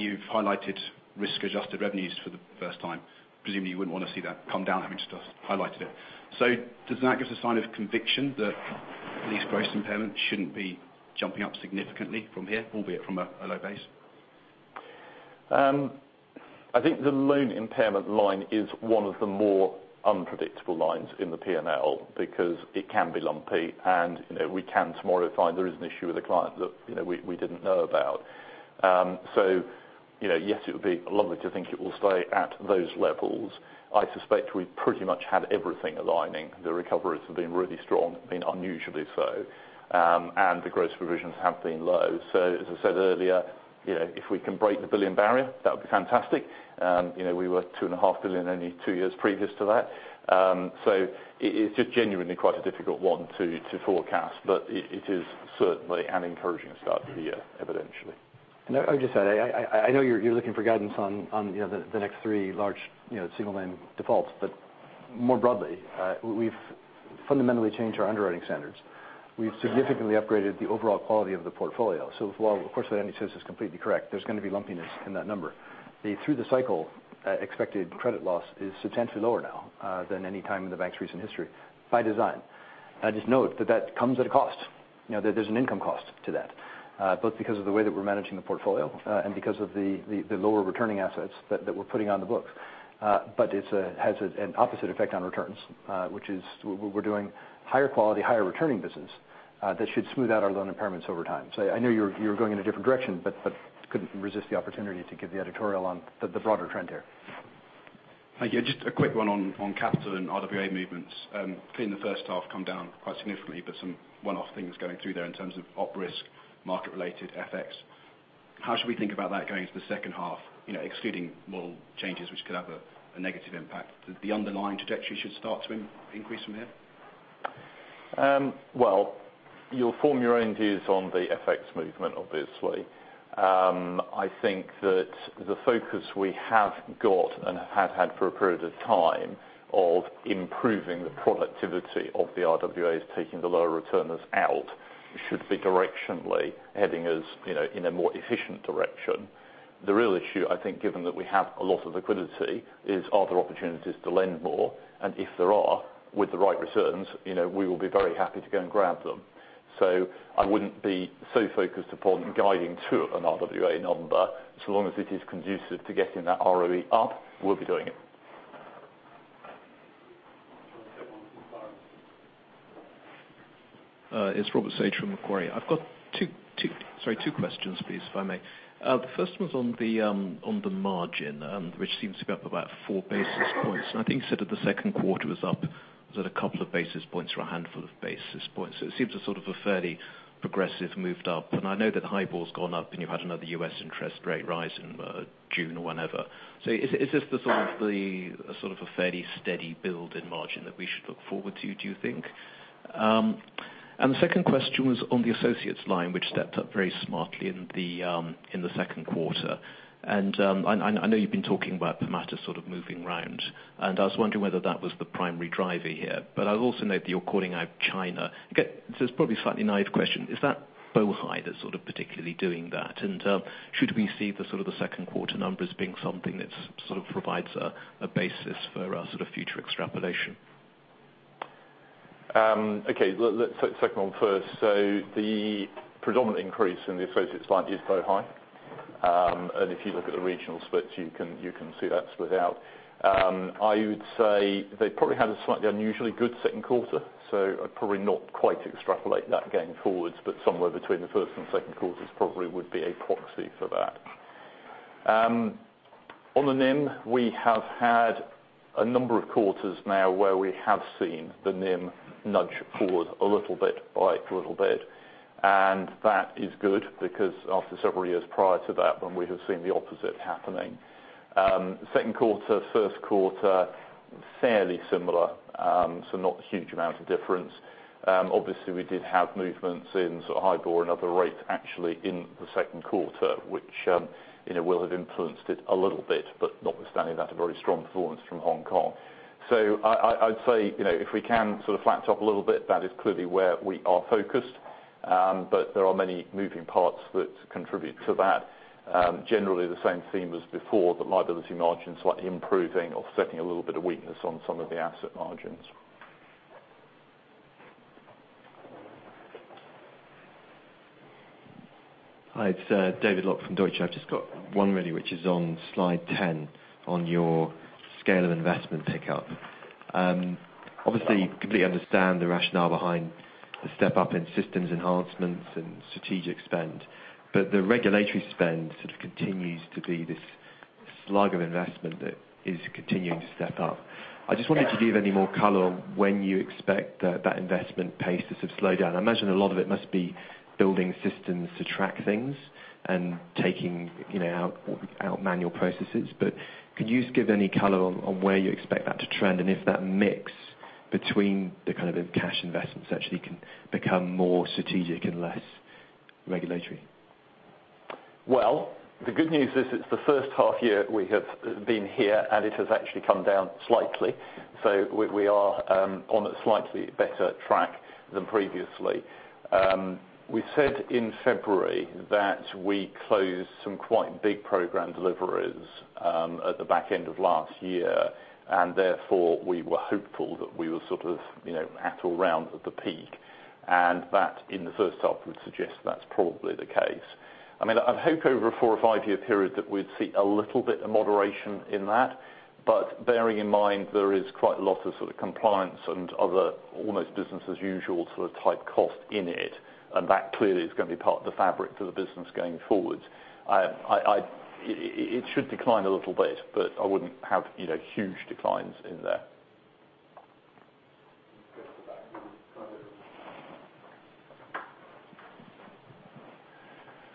you've highlighted risk-adjusted revenues for the first time. Presumably, you wouldn't want to see that come down, having just highlighted it. Does that give us a sign of conviction that lease gross impairment shouldn't be jumping up significantly from here, albeit from a low base? I think the loan impairment line is one of the more unpredictable lines in the P&L because it can be lumpy, and we can tomorrow find there is an issue with a client that we didn't know about. Yes, it would be lovely to think it will stay at those levels. I suspect we pretty much had everything aligning. The recoveries have been really strong, been unusually so, and the gross provisions have been low. As I said earlier, if we can break the 1 billion barrier, that would be fantastic. We were two and a half billion only 2 years previous to that. It's just genuinely quite a difficult one to forecast, but it is certainly an encouraging start to the year, evidently. I would just add, I know you're looking for guidance on the next three large single name defaults, but more broadly, we've fundamentally changed our underwriting standards. We've significantly upgraded the overall quality of the portfolio. While, of course, what Andy says is completely correct, there's going to be lumpiness in that number. Through the cycle, expected credit loss is substantially lower now than any time in the bank's recent history, by design. I just note that comes at a cost. There's an income cost to that, both because of the way that we're managing the portfolio and because of the lower returning assets that we're putting on the books. It has an opposite effect on returns, which is we're doing higher quality, higher returning business that should smooth out our loan impairments over time. I know you're going in a different direction, couldn't resist the opportunity to give the editorial on the broader trend here. Thank you. Just a quick one on capital and RWA movements. Seeing the first half come down quite significantly, some one-off things going through there in terms of op risk, market related FX. How should we think about that going into the second half, excluding model changes which could have a negative impact? The underlying trajectory should start to increase from here? You'll form your own views on the FX movement, obviously. I think that the focus we have got and have had for a period of time of improving the productivity of the RWAs, taking the lower returners out, should be directionally heading us in a more efficient direction. The real issue, I think, given that we have a lot of liquidity, is are there opportunities to lend more? If there are, with the right returns, we will be very happy to go and grab them. I wouldn't be so focused upon guiding to an RWA number. So long as it is conducive to getting that ROE up, we'll be doing it. It's Robert Sage from Macquarie. I've got two questions, please, if I may. The first one's on the margin, which seems to be up about four basis points. I think you said that the second quarter was up. Was it a couple of basis points or a handful of basis points? It seems a sort of a fairly progressive moved up. I know that the HIBOR's gone up and you've had another U.S. interest rate rise in June or whenever. Is this the sort of a fairly steady build in margin that we should look forward to, do you think? The second question was on the associates line, which stepped up very smartly in the second quarter. I know you've been talking about matter sort of moving around, and I was wondering whether that was the primary driver here. I also note that you're calling out China. This is probably a slightly naive question. Is that Bohai that's sort of particularly doing that? Should we see the sort of the second quarter numbers being something that sort of provides a basis for our sort of future extrapolation? Okay. Second one first. The predominant increase in the associates line is Bohai. If you look at the regional splits, you can see that split out. I would say they probably had a slightly unusually good second quarter. I'd probably not quite extrapolate that going forwards, but somewhere between the first and second quarters probably would be a proxy for that. On the NIM, we have had a number of quarters now where we have seen the NIM nudge forward a little bit by a little bit. That is good because after several years prior to that when we have seen the opposite happening. Second quarter, first quarter, fairly similar. Not a huge amount of difference. Obviously we did have movements in sort of HIBOR and other rates actually in the second quarter, which will have influenced it a little bit. Notwithstanding that, a very strong performance from Hong Kong. I'd say, if we can sort of flat top a little bit, that is clearly where we are focused. There are many moving parts that contribute to that. Generally the same theme as before, that liability margins slightly improving offsetting a little bit of weakness on some of the asset margins. Hi, it's David Lock from Deutsche. I've just got one really, which is on slide 10 on your scale of investment pickup. Obviously completely understand the rationale behind the step up in systems enhancements and strategic spend, the regulatory spend sort of continues to be this slug of investment that is continuing to step up. I just wondered if you could give any more color on when you expect that investment pace to sort of slow down. I imagine a lot of it must be building systems to track things and taking out manual processes. Could you just give any color on where you expect that to trend and if that mix between the kind of cash investments actually can become more strategic and less regulatory? Well, the good news is it's the first half year we have been here, and it has actually come down slightly. We are on a slightly better track than previously. We said in February that we closed some quite big program deliveries at the back end of last year, and therefore we were hopeful that we were sort of at or round of the peak, and that in the first half would suggest that's probably the case. I'd hope over a four or five-year period that we'd see a little bit of moderation in that. Bearing in mind there is quite a lot of sort of compliance and other almost business as usual type cost in it, and that clearly is going to be part of the fabric for the business going forward. It should decline a little bit, but I wouldn't have huge declines in there.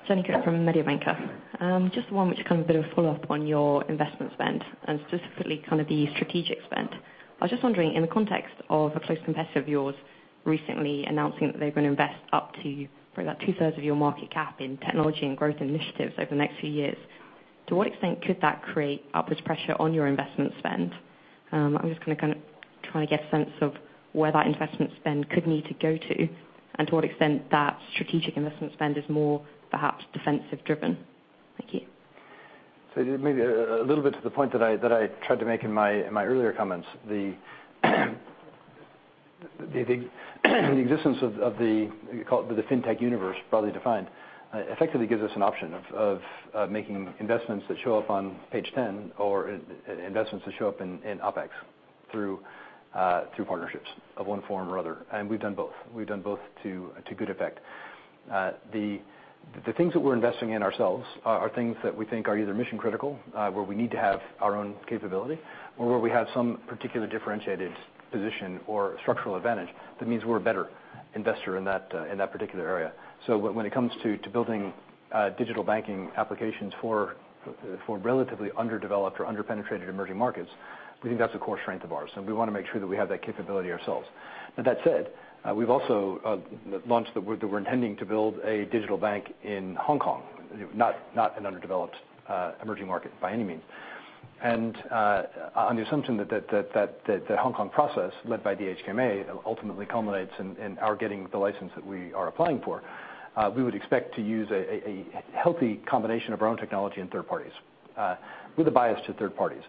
Jenny Cook from Mediobanca. Just one which is kind of a bit of a follow-up on your investment spend, and specifically kind of the strategic spend. I was just wondering, in the context of a close competitor of yours recently announcing that they're going to invest up to probably about two thirds of your market cap in technology and growth initiatives over the next few years, to what extent could that create upwards pressure on your investment spend? I'm just going to kind of try and get a sense of where that investment spend could need to go to, and to what extent that strategic investment spend is more perhaps defensive driven. Thank you. Maybe a little bit to the point that I tried to make in my earlier comments. The existence of the, you call it the fintech universe, broadly defined, effectively gives us an option of making investments that show up on page 10 or investments that show up in OpEx through partnerships of one form or other. We've done both. We've done both to good effect. The things that we're investing in ourselves are things that we think are either mission critical, where we need to have our own capability or where we have some particular differentiated position or structural advantage that means we're a better investor in that particular area. When it comes to building digital banking applications for relatively underdeveloped or under-penetrated emerging markets, we think that's a core strength of ours. We want to make sure that we have that capability ourselves. That said, we've also launched that we're intending to build a digital bank in Hong Kong, not an underdeveloped emerging market by any means. On the assumption that the Hong Kong process led by the HKMA ultimately culminates in our getting the license that we are applying for, we would expect to use a healthy combination of our own technology and third parties, with a bias to third parties.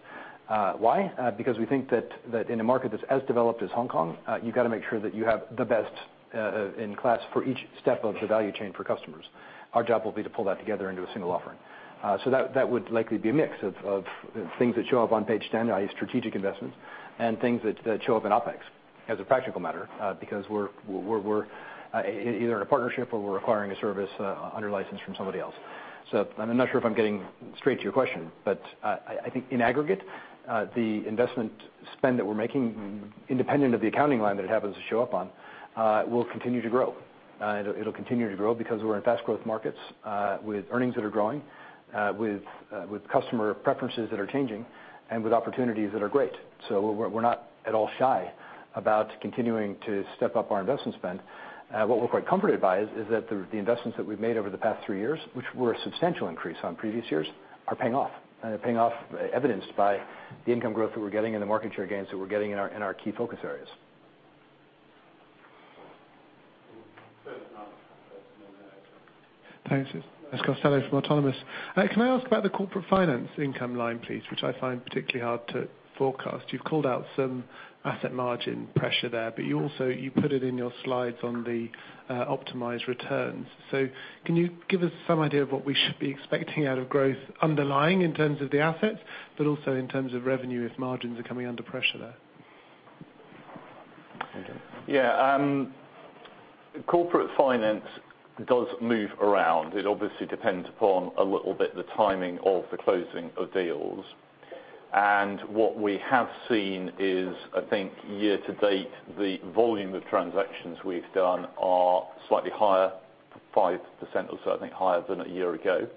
Why? Because we think that in a market that's as developed as Hong Kong, you've got to make sure that you have the best in class for each step of the value chain for customers. Our job will be to pull that together into a single offering. That would likely be a mix of things that show up on page 10, i.e. strategic investments, and things that show up in OpEx as a practical matter, because we're either in a partnership or we're acquiring a service under license from somebody else. I'm not sure if I'm getting straight to your question, but I think in aggregate, the investment spend that we're making independent of the accounting line that it happens to show up on, will continue to grow. It'll continue to grow because we're in fast growth markets, with earnings that are growing, with customer preferences that are changing, and with opportunities that are great. We're not at all shy about continuing to step up our investment spend. What we're quite comforted by is that the investments that we've made over the past three years, which were a substantial increase on previous years, are paying off. They're paying off evidenced by the income growth that we're getting and the market share gains that we're getting in our key focus areas. Thanks. It's Manus Costello from Autonomous. Can I ask about the corporate finance income line, please, which I find particularly hard to forecast. You've called out some asset margin pressure there. You also put it in your slides on the optimized returns. Can you give us some idea of what we should be expecting out of growth underlying in terms of the assets, but also in terms of revenue if margins are coming under pressure there? Yeah. Corporate finance does move around. It obviously depends upon a little bit the timing of the closing of deals. What we have seen is, I think year to date, the volume of transactions we've done are slightly higher, 5% or so, I think, higher than a year ago.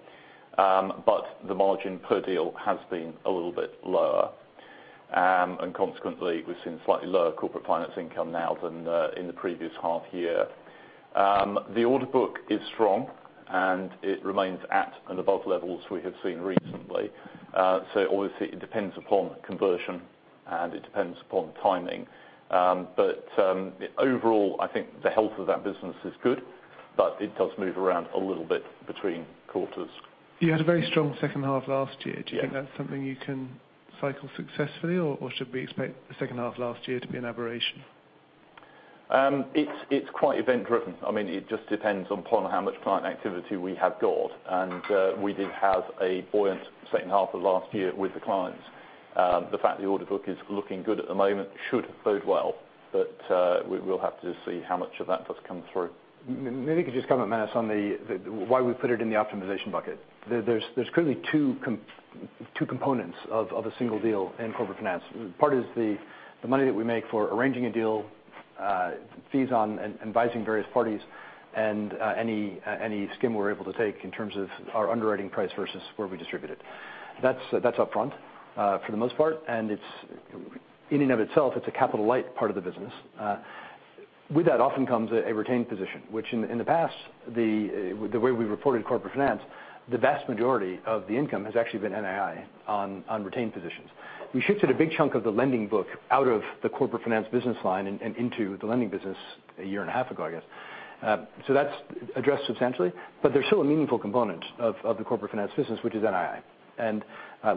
The margin per deal has been a little bit lower. Consequently, we've seen slightly lower corporate finance income now than in the previous half year. The order book is strong. It remains at and above levels we have seen recently. Obviously, it depends upon conversion, and it depends upon timing. Overall, I think the health of that business is good, but it does move around a little bit between quarters. You had a very strong second half last year. Yeah. Do you think that's something you can cycle successfully, or should we expect the second half of last year to be an aberration? It's quite event-driven. It just depends upon how much client activity we have got. We did have a buoyant second half of last year with the clients. The fact the order book is looking good at the moment should bode well. We'll have to see how much of that does come through. Maybe you could just comment, Manus, on why we put it in the optimization bucket. There's currently two components of a single deal in Corporate Finance. Part is the money that we make for arranging a deal, fees on advising various parties, and any skim we're able to take in terms of our underwriting price versus where we distribute it. That's upfront for the most part, and in and of itself, it's a capital light part of the business. With that often comes a retained position, which in the past, the way we reported Corporate Finance, the vast majority of the income has actually been NII on retained positions. We shifted a big chunk of the lending book out of the Corporate Finance business line and into the lending business a year and a half ago, I guess. That's addressed substantially. There's still a meaningful component of the Corporate Finance business, which is NII, and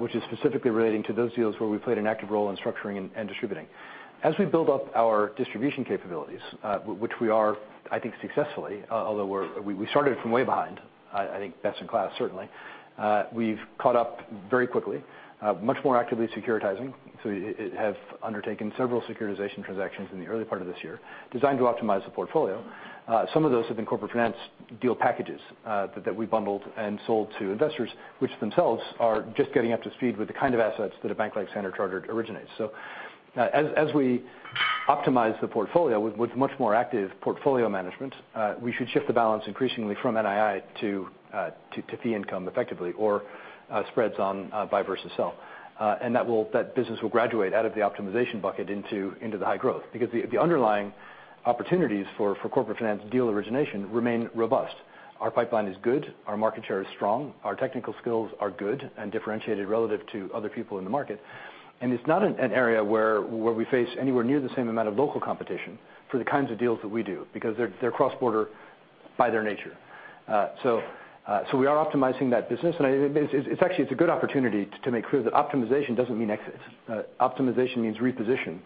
which is specifically relating to those deals where we played an active role in structuring and distributing. As we build up our distribution capabilities, which we are, I think, successfully, although we started from way behind, I think best in class certainly. We've caught up very quickly, much more actively securitizing. It has undertaken several securitization transactions in the early part of this year designed to optimize the portfolio. Some of those have been Corporate Finance deal packages, that we bundled and sold to investors, which themselves are just getting up to speed with the kind of assets that a bank like Standard Chartered originates. As we optimize the portfolio with much more active portfolio management, we should shift the balance increasingly from NII to fee income effectively or spreads on buy versus sell. That business will graduate out of the optimization bucket into the high growth, because the underlying opportunities for Corporate Finance deal origination remain robust. Our pipeline is good. Our market share is strong. Our technical skills are good and differentiated relative to other people in the market. It's not an area where we face anywhere near the same amount of local competition for the kinds of deals that we do, because they're cross-border by their nature. We are optimizing that business, and it's a good opportunity to make clear that optimization doesn't mean exit. Optimization means reposition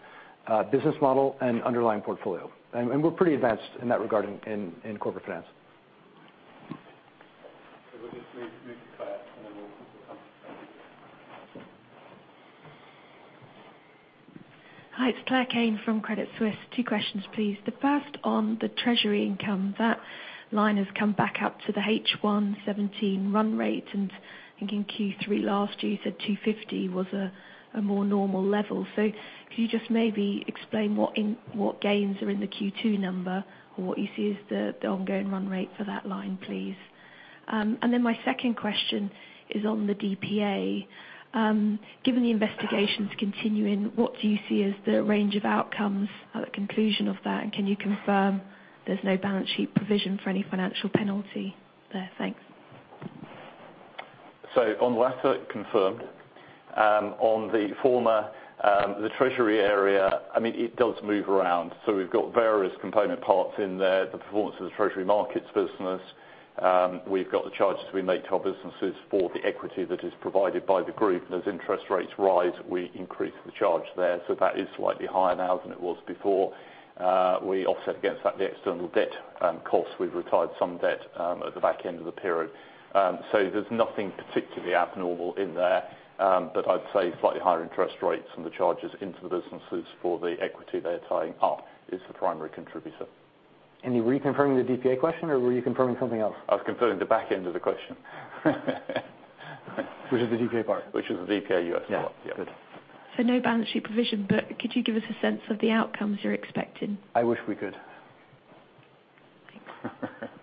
business model and underlying portfolio. We're pretty advanced in that regard in Corporate Finance. We'll just move to Claire, and then we'll come to Chris. Hi, it's Claire Kane from Credit Suisse. Two questions, please. The first on the treasury income. That line has come back up to the H1 2017 run rate. I think in Q3 last year, you said $250 was a more normal level. Could you just maybe explain what gains are in the Q2 number, or what you see as the ongoing run rate for that line, please? My second question is on the DPA. Given the investigations continuing, what do you see as the range of outcomes at the conclusion of that, and can you confirm there's no balance sheet provision for any financial penalty there? Thanks. On the latter, confirmed. On the former, the treasury area, it does move around. We've got various component parts in there, the performance of the treasury markets business. We've got the charges we make to our businesses for the equity that is provided by the group, and as interest rates rise, we increase the charge there. That is slightly higher now than it was before. We offset against that the external debt cost. We've retired some debt at the back end of the period. There's nothing particularly abnormal in there. I'd say slightly higher interest rates and the charges into the businesses for the equity they're tying up is the primary contributor. Were you confirming the DPA question, or were you confirming something else? I was confirming the back end of the question. Which is the DPA part. Which is the DPA U.S. part. Yeah. Good. No balance sheet provision, could you give us a sense of the outcomes you're expecting? I wish we could. Thanks.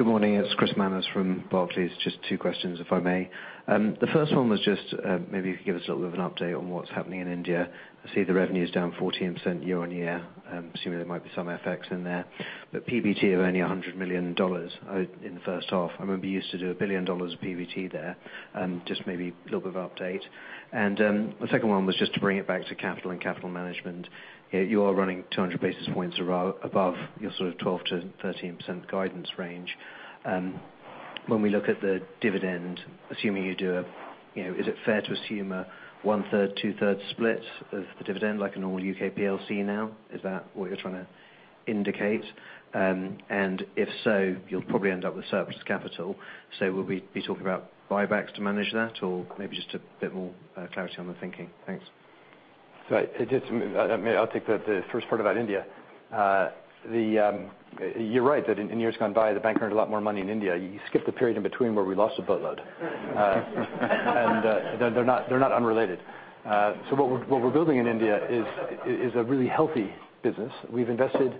From Barclays. Good morning. It's Chris Manners from Barclays. Two questions, if I may. The first one was maybe you could give us a little bit of an update on what's happening in India. I see the revenue's down 14% year-on-year. I'm assuming there might be some effects in there. PBT of only $100 million in the first half. I remember you used to do $1 billion of PBT there. Maybe a little bit of update. The second one was to bring it back to capital and capital management. You are running 200 basis points above your sort of 12%-13% guidance range. When we look at the dividend, is it fair to assume a one-third, two-third split of the dividend like a normal U.K. PLC now? Is that what you're trying to indicate? If so, you'll probably end up with surplus capital. Will we be talking about buybacks to manage that, or maybe just a bit more clarity on the thinking? Thanks. I'll take the first part about India. You're right, that in years gone by, the bank earned a lot more money in India. You skipped the period in between where we lost a boatload. They're not unrelated. What we're building in India is a really healthy business. We've invested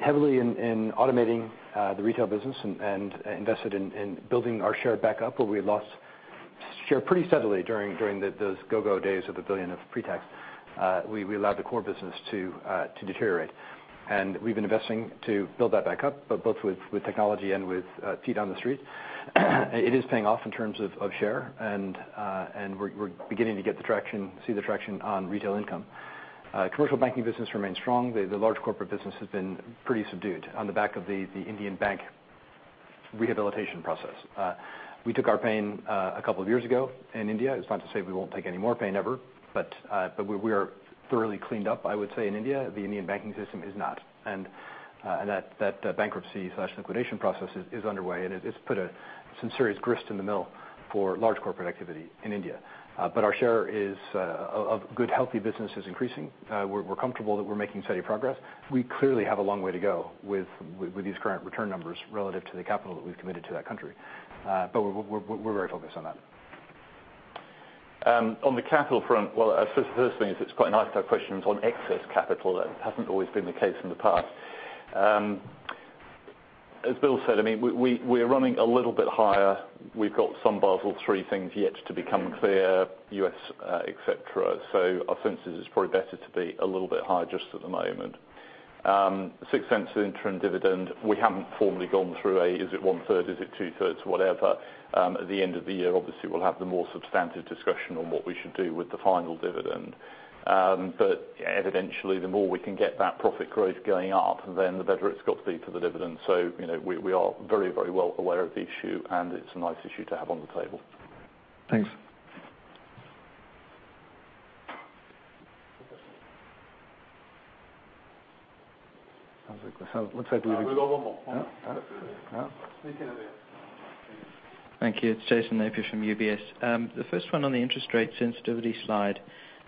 heavily in automating the retail business and invested in building our share back up, where we had lost share pretty steadily during those go-go days of $1 billion of pre-tax. We allowed the core business to deteriorate. We've been investing to build that back up, but both with technology and with feet on the street. It is paying off in terms of share, and we're beginning to see the traction on retail income. Commercial banking business remains strong. The large corporate business has been pretty subdued on the back of the Indian bank rehabilitation process. We took our pain a couple of years ago in India. It's not to say we won't take any more pain ever, but we are thoroughly cleaned up, I would say, in India. The Indian banking system is not. That bankruptcy/liquidation process is underway, and it's put some serious grist in the mill for large corporate activity in India. Our share of good, healthy business is increasing. We're comfortable that we're making steady progress. We clearly have a long way to go with these current return numbers relative to the capital that we've committed to that country. We're very focused on that. On the capital front, well, the first thing is it's quite nice to have questions on excess capital. That hasn't always been the case in the past. As Bill said, we're running a little bit higher. We've got some Basel III things yet to become clear, U.S., et cetera. Our sense is it's probably better to be a little bit higher just at the moment. $0.06 interim dividend, we haven't formally gone through a, is it one-third, is it two-thirds, whatever. At the end of the year, obviously, we'll have the more substantive discussion on what we should do with the final dividend. Eventually, the more we can get that profit growth going up, then the better it's got to be for the dividend. We are very well aware of the issue, and it's a nice issue to have on the table. Thanks. Looks like. We've got one more. No. Thank you. It's Jason Napier from UBS. The first one on the interest rate sensitivity slide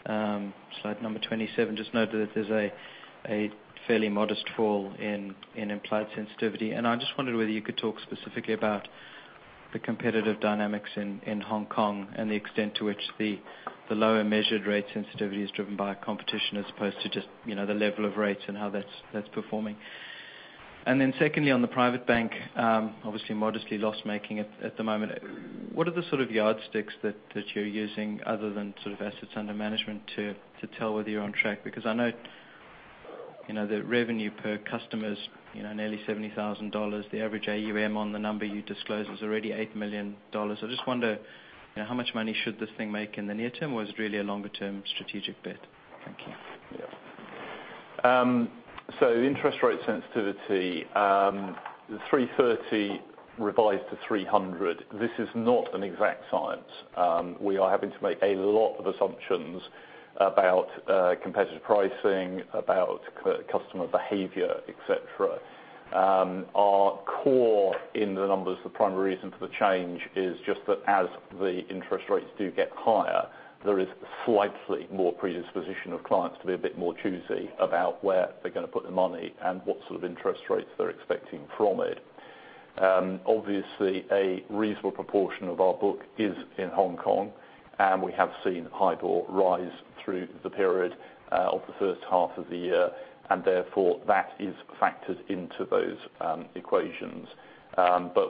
number 27, just note that there's a fairly modest fall in implied sensitivity. I just wondered whether you could talk specifically about the competitive dynamics in Hong Kong and the extent to which the lower measured rate sensitivity is driven by competition as opposed to just the level of rates and how that's performing. Secondly, on the private bank, obviously modestly loss-making at the moment. What are the sort of yardsticks that you're using other than assets under management to tell whether you're on track? Because I know the revenue per customer is nearly $70,000. The average AUM on the number you disclosed was already $8 million. I just wonder how much money should this thing make in the near term, or is it really a longer-term strategic bet? Thank you. Interest rate sensitivity, the 330 revised to 300. This is not an exact science. We are having to make a lot of assumptions about competitive pricing, about customer behavior, et cetera. Our core in the numbers, the primary reason for the change is just that as the interest rates do get higher, there is slightly more predisposition of clients to be a bit more choosy about where they're going to put their money and what sort of interest rates they're expecting from it. Obviously, a reasonable proportion of our book is in Hong Kong, and we have seen HIBOR rise through the period of the first half of the year, and therefore, that is factored into those equations.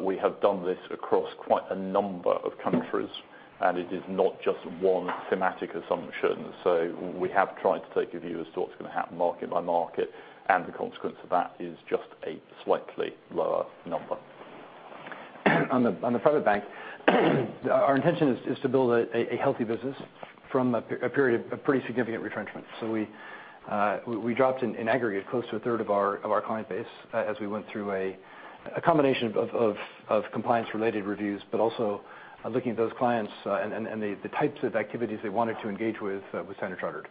We have done this across quite a number of countries, and it is not just one thematic assumption. We have tried to take a view as to what's going to happen market by market, and the consequence of that is just a slightly lower number. On the private bank, our intention is to build a healthy business from a period of pretty significant retrenchment. We dropped in aggregate close to a third of our client base as we went through a combination of compliance-related reviews, but also looking at those clients and the types of activities they wanted to engage with Standard Chartered.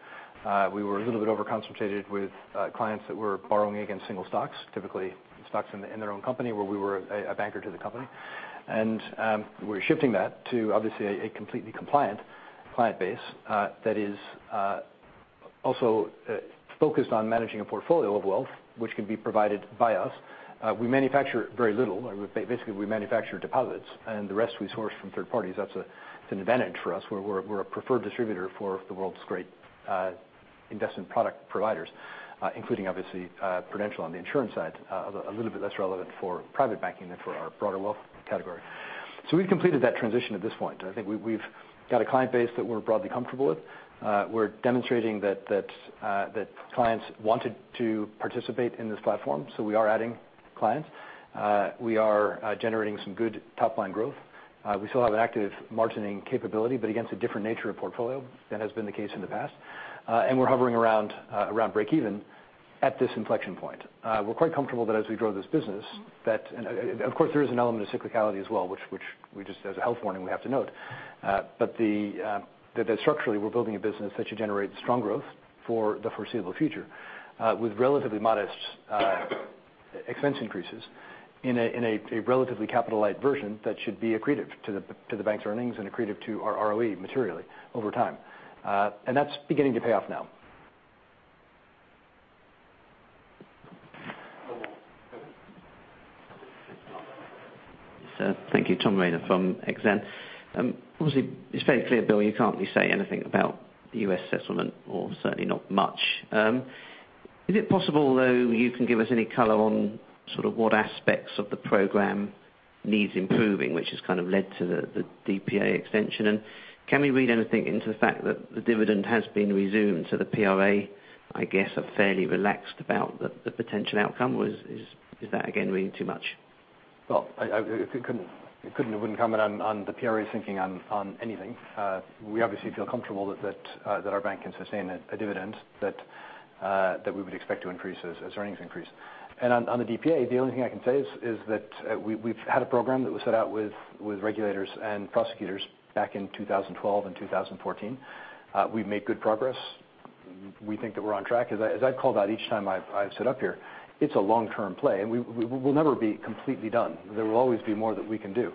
We were a little bit over-concentrated with clients that were borrowing against single stocks, typically stocks in their own company, where we were a banker to the company. We're shifting that to, obviously, a completely compliant client base that is also focused on managing a portfolio of wealth, which can be provided by us. We manufacture very little. Basically, we manufacture deposits, and the rest we source from third parties. That's an advantage for us. We're a preferred distributor for the world's great investment product providers, including, obviously, Prudential on the insurance side. A little bit less relevant for private banking than for our broader wealth category. We've completed that transition at this point. I think we've got a client base that we're broadly comfortable with. We're demonstrating that clients wanted to participate in this platform, so we are adding clients. We are generating some good top-line growth. We still have an active margining capability, but against a different nature of portfolio than has been the case in the past. We're hovering around breakeven at this inflection point. We're quite comfortable that as we grow this business that Of course, there is an element of cyclicality as well, which we just, as a health warning, we have to note. That structurally, we're building a business that should generate strong growth for the foreseeable future with relatively modest expense increases in a relatively capital-light version that should be accretive to the bank's earnings and accretive to our ROE materially over time. That's beginning to pay off now. Thank you, Tom Rayner from Exane. Obviously, it's very clear, Bill, you can't really say anything about the U.S. settlement or certainly not much. Is it possible, though, you can give us any color on what aspects of the program needs improving, which has led to the DPA extension? Can we read anything into the fact that the dividend has been resumed, the PRA, I guess, are fairly relaxed about the potential outcome? Is that, again, reading too much? Well, I couldn't comment on the PRA's thinking on anything. We obviously feel comfortable that our bank can sustain a dividend that we would expect to increase as earnings increase. On the DPA, the only thing I can say is that we've had a program that was set out with regulators and prosecutors back in 2012 and 2014. We've made good progress. We think that we're on track. As I've called out each time I've set up here, it's a long-term play, and we will never be completely done. There will always be more that we can do.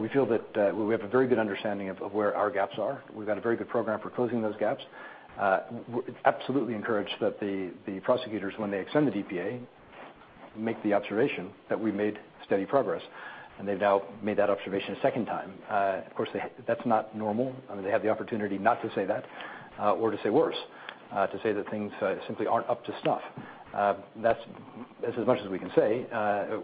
We feel that we have a very good understanding of where our gaps are. We've got a very good program for closing those gaps. Absolutely encouraged that the prosecutors, when they extend the DPA, make the observation that we made steady progress, they've now made that observation a second time. Of course, that's not normal. They have the opportunity not to say that or to say worse, to say that things simply aren't up to snuff. That's as much as we can say.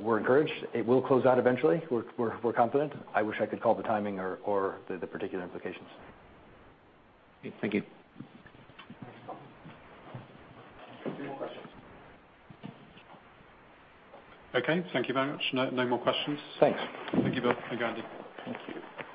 We're encouraged. It will close out eventually. We're confident. I wish I could call the timing or the particular implications. Thank you. Two more questions. Okay. Thank you very much. No more questions. Thanks. Thank you, Bill. Thank you, Andy. Thank you.